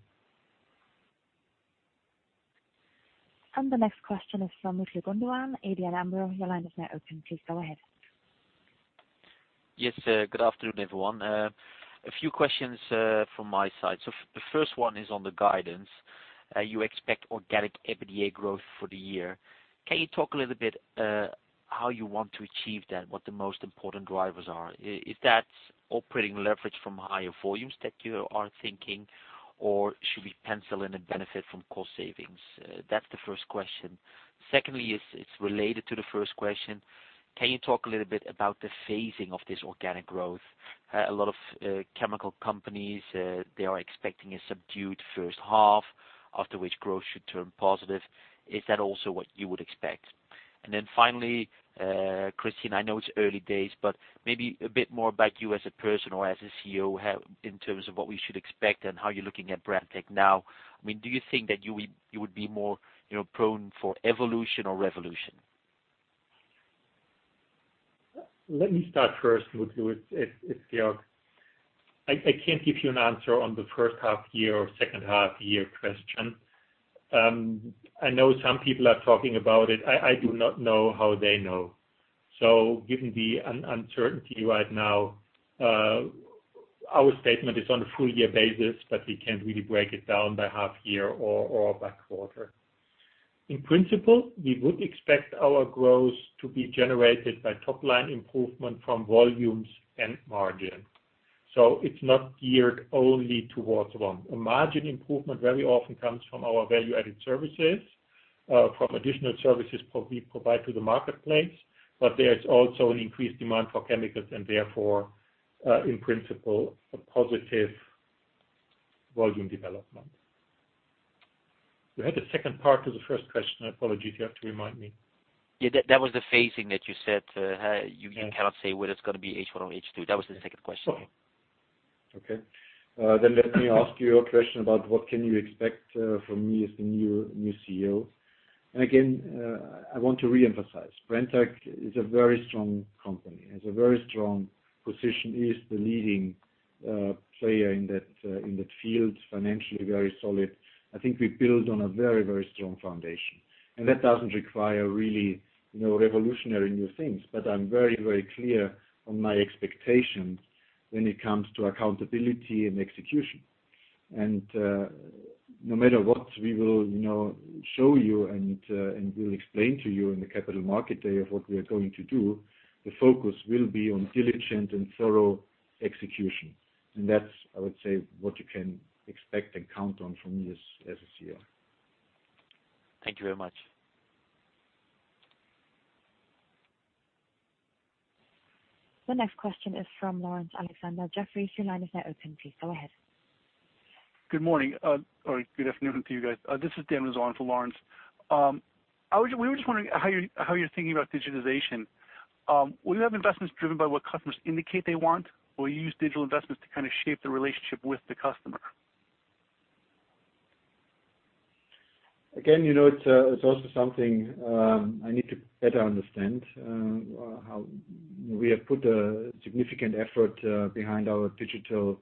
The next question is from Daan de Wit, ABN AMRO. Your line is now open. Please go ahead. Yes, good afternoon, everyone. A few questions from my side. The first one is on the guidance. You expect organic EBITDA growth for the year. Can you talk a little bit how you want to achieve that, what the most important drivers are? Is that operating leverage from higher volumes that you are thinking, or should we pencil in a benefit from cost savings? That's the first question. Secondly, it's related to the first question. Can you talk a little bit about the phasing of this organic growth? A lot of chemical companies, they are expecting a subdued first half, after which growth should turn positive. Is that also what you would expect? Finally, Christian, I know it's early days, but maybe a bit more about you as a person or as a CEO in terms of what we should expect and how you're looking at Brenntag now. Do you think that you would be more prone for evolution or revolution? Let me start first, de Wit. It's Georg. I can't give you an answer on the first half year or second half year question. I know some people are talking about it. I do not know how they know. Given the uncertainty right now, our statement is on a full year basis, but we can't really break it down by half year or by quarter. In principle, we would expect our growth to be generated by top-line improvement from volumes and margin. It's not geared only towards one. A margin improvement very often comes from our value-added services, from additional services we provide to the marketplace. There is also an increased demand for chemicals and therefore, in principle, a positive volume development. You had a second part to the first question. I apologize, you have to remind me. Yeah, that was the phasing that you said, you cannot say whether it's going to be H1 or H2. That was the second question. Okay. Let me ask your question about what can you expect from me as the new CEO. Again, I want to reemphasize, Brenntag is a very strong company, has a very strong position, is the leading player in that field, financially very solid. I think we build on a very strong foundation, and that doesn't require really revolutionary new things. I'm very clear on my expectations when it comes to accountability and execution. No matter what we will show you and we'll explain to you in the Capital Markets Day of what we are going to do, the focus will be on diligent and thorough execution. That's, I would say, what you can expect and count on from me as a CEO. Thank you very much. The next question is from Laurence Alexander, Jefferies, your line is now open. Please go ahead. Good morning, or good afternoon to you guys. This is Dan Rizzo on for Laurence. We were just wondering how you're thinking about digitization. Will you have investments driven by what customers indicate they want, or use digital investments to kind of shape the relationship with the customer? Again, it's also something I need to better understand. We have put a significant effort behind our digital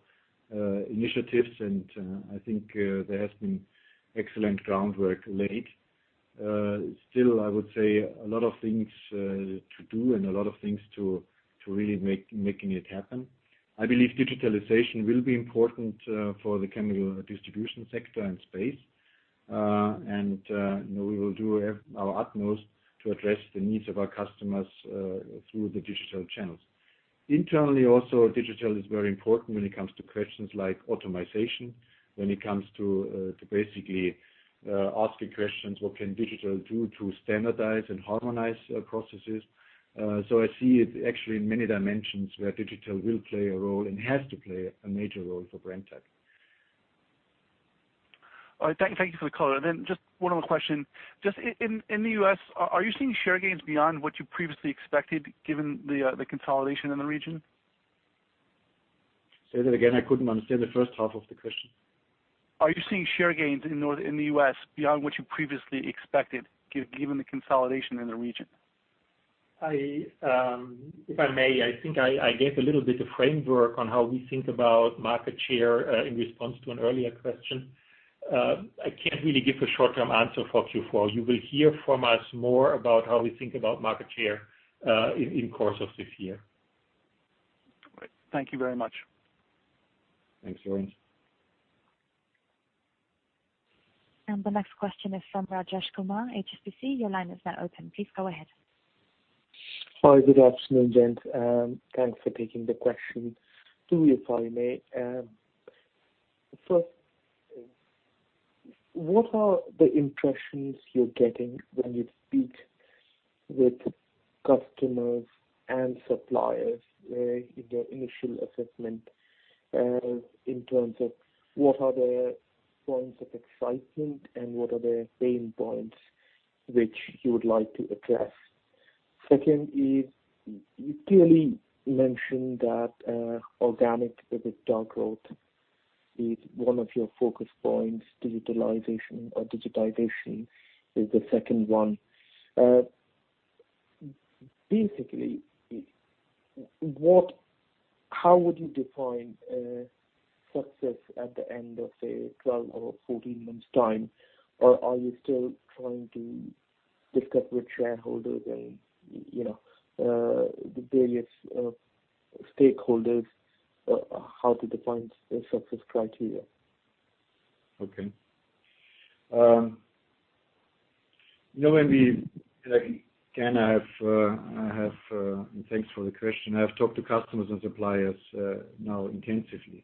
initiatives, and I think there has been excellent groundwork laid. Still, I would say a lot of things to do and a lot of things to really making it happen. I believe digitalization will be important for the chemical distribution sector and space. We will do our utmost to address the needs of our customers through the digital channels. Internally, also, digital is very important when it comes to questions like automation, when it comes to basically asking questions, what can digital do to standardize and harmonize processes? I see it actually in many dimensions where digital will play a role and has to play a major role for Brenntag. All right. Thank you for the color. Just one more question. Just in the U.S., are you seeing share gains beyond what you previously expected given the consolidation in the region? Say that again. I couldn't understand the first half of the question. Are you seeing share gains in the U.S. beyond what you previously expected given the consolidation in the region? If I may, I think I gave a little bit of framework on how we think about market share in response to an earlier question. I can't really give a short-term answer for Q4. You will hear from us more about how we think about market share in the course of this year. Great. Thank you very much. Thanks, Laurence. The next question is from Rajesh Kumar, HSBC. Your line is now open. Please go ahead. Hi. Good afternoon, gents. Thanks for taking the question. Two if I may. First, what are the impressions you're getting when you speak with customers and suppliers in their initial assessment in terms of what are their points of excitement and what are their pain points which you would like to address? Second is, you clearly mentioned that organic EBITDA growth is one of your focus points. Digitalization is the second one. Basically, how would you define success at the end of, say, 12 or 14 months' time? Are you still trying to discuss with shareholders and the various stakeholders how to define success criteria? Okay. Again, thanks for the question, I have talked to customers and suppliers now intensively,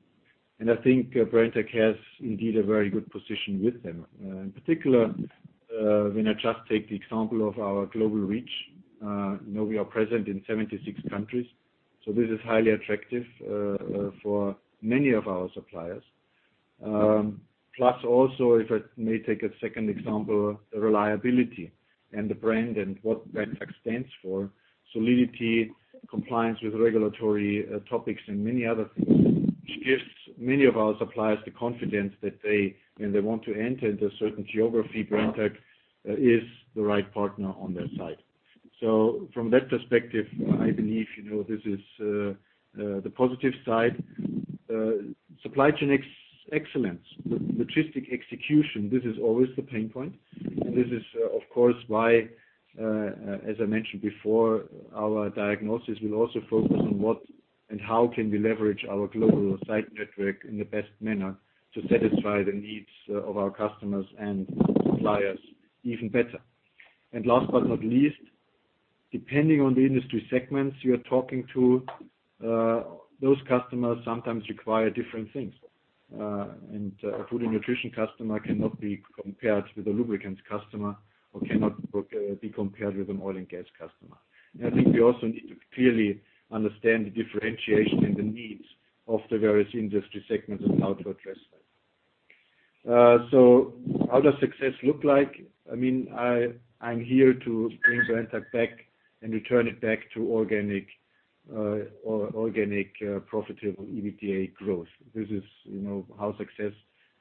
and I think Brenntag has indeed a very good position with them. In particular, when I just take the example of our global reach, we are present in 76 countries, this is highly attractive for many of our suppliers. Plus also, if I may take a second example, the reliability and the brand and what that stands for, solidity, compliance with regulatory topics and many other things, which gives many of our suppliers the confidence that when they want to enter into a certain geography, Brenntag is the right partner on their side. From that perspective, I believe this is the positive side. Supply chain excellence, logistic execution, this is always the pain point. This is, of course, why, as I mentioned before, our diagnosis will also focus on what and how can we leverage our global site network in the best manner to satisfy the needs of our customers and suppliers even better. Last but not least, depending on the industry segments you are talking to, those customers sometimes require different things. A Food & Nutrition customer cannot be compared with a lubricants customer or cannot be compared with an oil and gas customer. I think we also need to clearly understand the differentiation in the needs of the various industry segments and how to address that. How does success look like? I'm here to bring Brenntag back and return it back to organic, profitable EBITDA growth. This is how success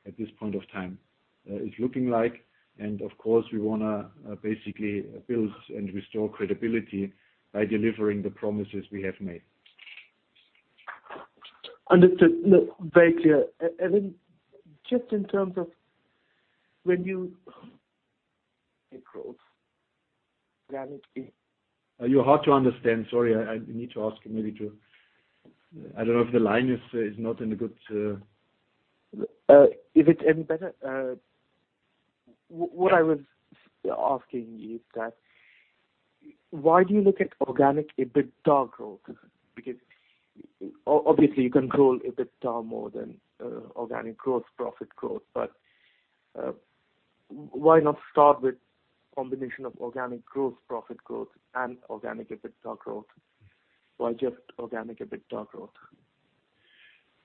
at this point of time is looking like. Of course, we want to basically build and restore credibility by delivering the promises we have made. Understood. Very clear. Christian, just in terms of (audio distortion) growth. You're hard to understand. Sorry, I need to ask you. Is it any better? What I was asking is that why do you look at organic EBITDA growth? Because obviously you control EBITDA more than organic growth, profit growth. Why not start with combination of organic growth, profit growth and organic EBITDA growth? Why just organic EBITDA growth?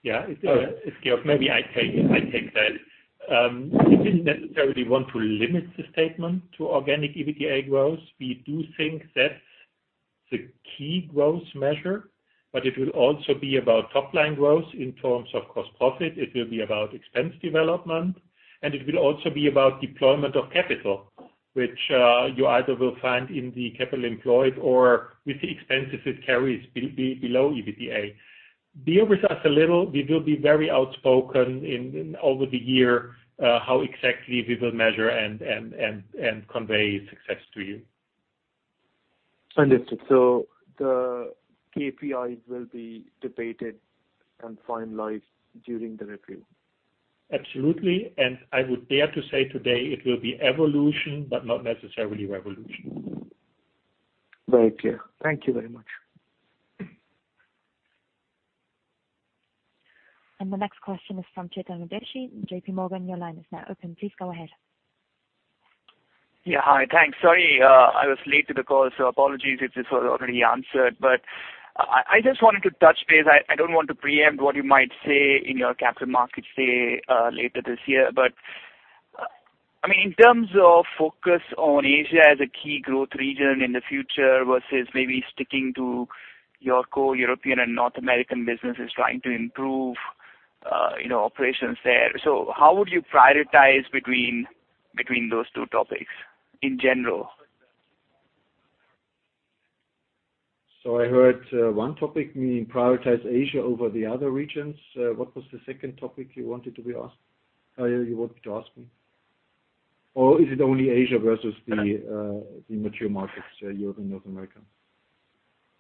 Yeah. It's Georg. Maybe I take that. We didn't necessarily want to limit the statement to organic EBITDA growth. We do think that's the key growth measure. It will also be about top-line growth in terms of gross profit. It will be about expense development. It will also be about deployment of capital, which you either will find in the capital employed or with the expenses it carries below EBITDA. Bear with us a little. We will be very outspoken over the year how exactly we will measure and convey success to you. Understood. The key performance indicators will be debated and finalized during the review. Absolutely. I would dare to say today it will be evolution, but not necessarily revolution. Very clear. Thank you very much. The next question is from Chetan Udeshi, JPMorgan. Your line is now open. Please go ahead. Yeah. Hi. Thanks. Sorry, I was late to the call, so apologies if this was already answered. I just wanted to touch base. I don't want to preempt what you might say in your Capital Markets Day later this year, but in terms of focus on Asia as a key growth region in the future versus maybe sticking to your core European and North American businesses trying to improve operations there. How would you prioritize between those two topics in general? I heard one topic, meaning prioritize Asia over the other regions. What was the second topic you wanted to ask me? Is it only Asia versus the mature markets, Europe and North America?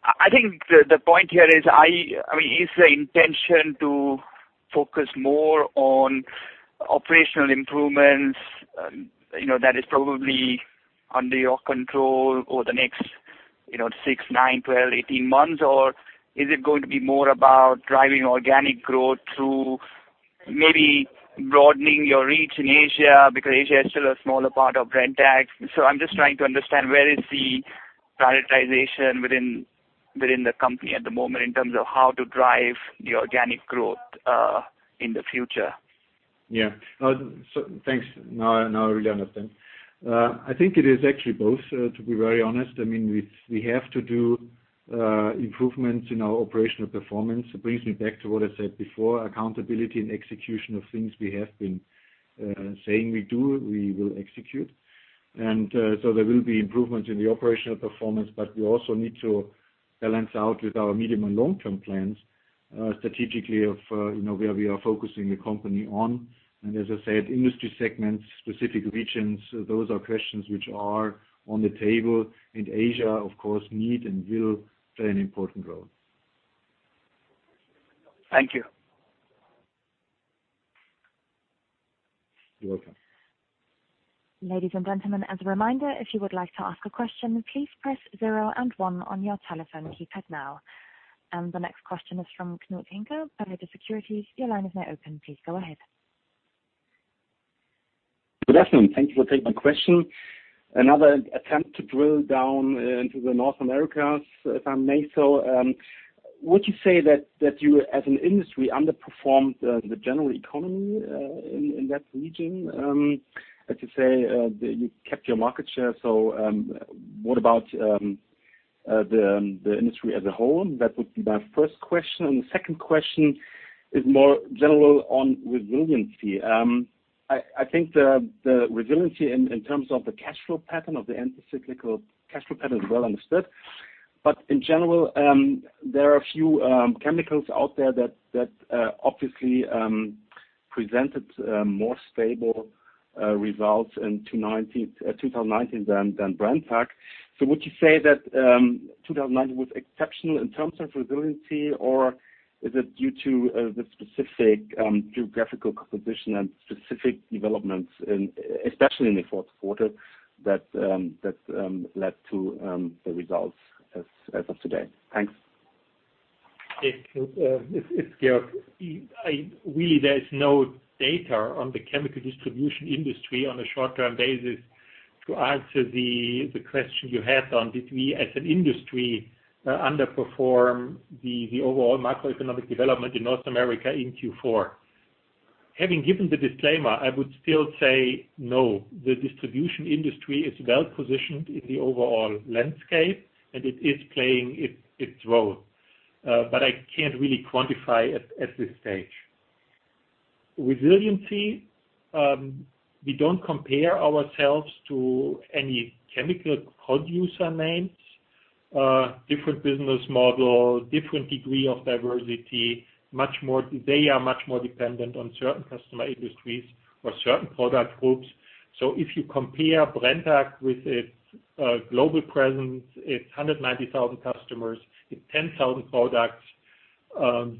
I think the point here is the intention to focus more on operational improvements, that is probably under your control over the next six, nine, 12, 18 months, or is it going to be more about driving organic growth through maybe broadening your reach in Asia, because Asia is still a smaller part of Brenntag. I'm just trying to understand where is the prioritization within the company at the moment in terms of how to drive the organic growth in the future. Yeah. Thanks. Now I really understand. I think it is actually both, to be very honest. We have to do improvements in our operational performance. It brings me back to what I said before, accountability and execution of things we have been saying we do, we will execute. There will be improvements in the operational performance, but we also need to balance out with our medium and long-term plans, strategically of where we are focusing the company on. As I said, industry segments, specific regions, those are questions which are on the table, and Asia, of course, need and will play an important role. Thank you. You're welcome. Ladies and gentlemen, as a reminder, if you would like to ask a question, please press zero and one on your telephone keypad now. The next question is from Knut Henkel, Baader Bank. Your line is now open. Please go ahead. Good afternoon. Thank you for taking my question. Another attempt to drill down into the North Americas, if I may. Would you say that you, as an industry, underperformed the general economy in that region? As you say, you kept your market share, what about the industry as a whole? That would be my first question. The second question is more general on resiliency. I think the resiliency in terms of the cash flow pattern, of the anti-cyclical cash flow pattern is well understood. In general, there are a few chemicals out there that obviously presented more stable results in 2019 than Brenntag. Would you say that 2019 was exceptional in terms of resiliency, or is it due to the specific geographical composition and specific developments, especially in the fourth quarter, that led to the results as of today? Thanks. It's Georg. Really, there is no data on the chemical distribution industry on a short-term basis to answer the question you had on, did we, as an industry, underperform the overall macroeconomic development in North America in Q4. Having given the disclaimer, I would still say no. The distribution industry is well-positioned in the overall landscape, and it is playing its role. I can't really quantify at this stage. Resiliency, we don't compare ourselves to any chemical producer names. Different business model, different degree of diversity. They are much more dependent on certain customer industries or certain product groups. If you compare Brenntag with its global presence, its 190,000 customers, its 10,000 products,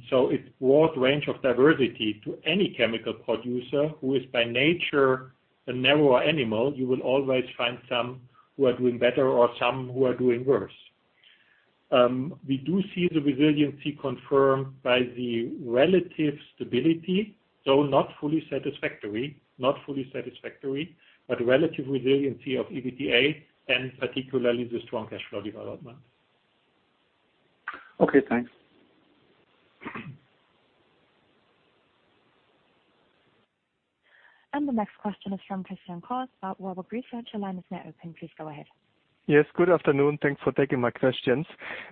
so its broad range of diversity to any chemical producer who is by nature a narrower animal, you will always find some who are doing better or some who are doing worse. We do see the resiliency confirmed by the relative stability, though not fully satisfactory, but relative resiliency of EBITDA and particularly the strong cash flow development. Okay, thanks. The next question is from Christian Cohrs at Warburg Research. Your line is now open. Please go ahead. Yes, good afternoon. Thanks for taking my questions.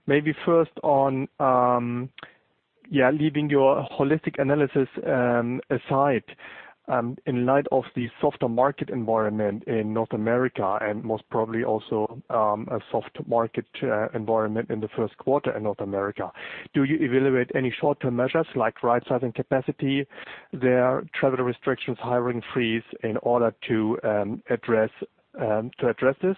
Maybe first on, leaving your holistic analysis aside, in light of the softer market environment in North America, and most probably also a soft market environment in the first quarter in North America, do you evaluate any short-term measures like right-sizing capacity there, travel restrictions, hiring freeze, in order to address this?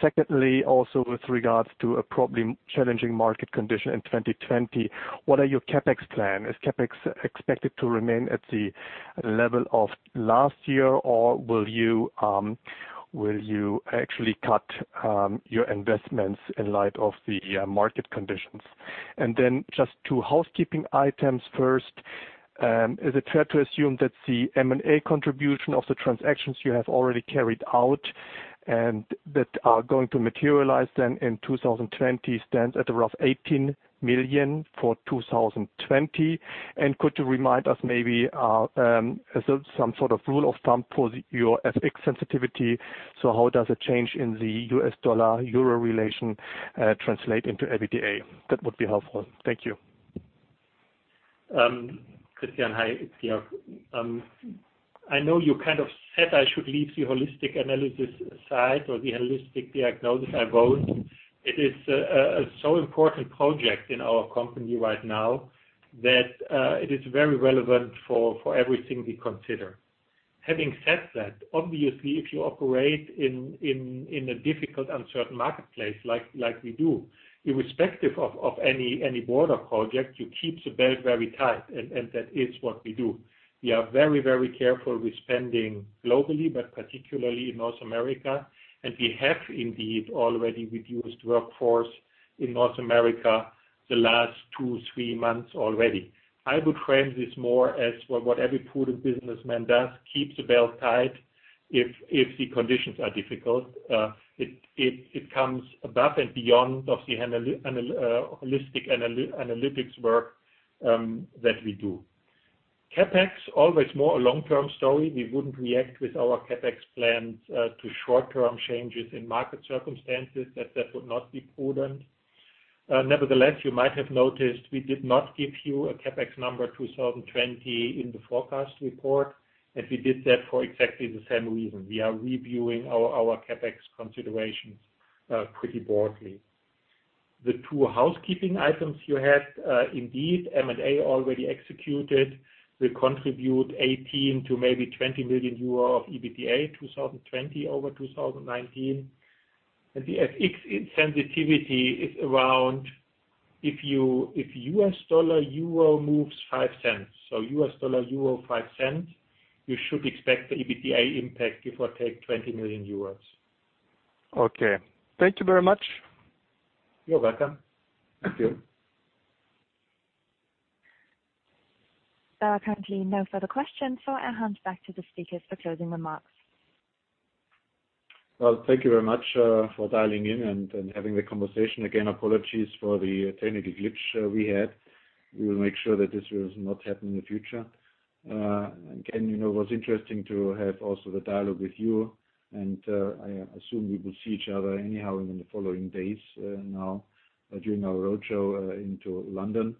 Secondly, also with regards to a probably challenging market condition in 2020, what are your CapEx plan? Is CapEx expected to remain at the level of last year, or will you actually cut your investments in light of the market conditions? Then just two housekeeping items. First, is it fair to assume that the M&A contribution of the transactions you have already carried out and that are going to materialize then in 2020 stands at a rough 18 million for 2020? Could you remind us maybe, is there some sort of rule of thumb for your FX sensitivity? How does a change in the US dollar-euro relation translate into EBITDA? That would be helpful. Thank you. Christian, hi. It's Georg. I know you kind of said I should leave the holistic analysis side or the holistic diagnosis. I won't. It is a so important project in our company right now that it is very relevant for everything we consider. Having said that, obviously, if you operate in a difficult, uncertain marketplace like we do, irrespective of any broader project, you keep the belt very tight, and that is what we do. We are very careful with spending globally, but particularly in North America. We have indeed already reduced workforce in North America the last two, three months already. I would frame this more as what every prudent businessman does, keep the belt tight if the conditions are difficult. It comes above and beyond of the holistic analytics work that we do. CapEx, always more a long-term story. We wouldn't react with our CapEx plans to short-term changes in market circumstances, that would not be prudent. Nevertheless, you might have noticed we did not give you a CapEx number 2020 in the forecast report, and we did that for exactly the same reason. We are reviewing our CapEx considerations pretty broadly. The two housekeeping items you had, indeed, M&A already executed will contribute 18 million to maybe 20 million euro of EBITDA 2020 over 2019. The FX sensitivity is around, if US dollar/elEuro moves 0.05. US dollar/euro 0.05, you should expect the EBITDA impact give or take 20 million euros. Okay. Thank you very much. You're welcome. Thank you. There are currently no further questions. I hand back to the speakers for closing remarks. Well, thank you very much for dialing in and having the conversation. Apologies for the technical glitch we had. We will make sure that this will not happen in the future. It was interesting to have also the dialogue with you, and I assume we will see each other anyhow in the following days now during our roadshow into London.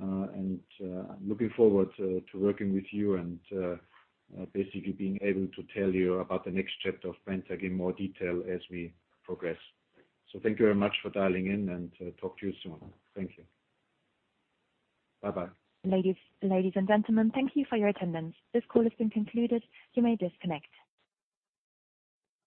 Looking forward to working with you and basically being able to tell you about the next chapter of Brenntag in more detail as we progress. Thank you very much for dialing in, and talk to you soon. Thank you. Bye-bye. Ladies and gentlemen, thank you for your attendance. This call has been concluded. You may disconnect.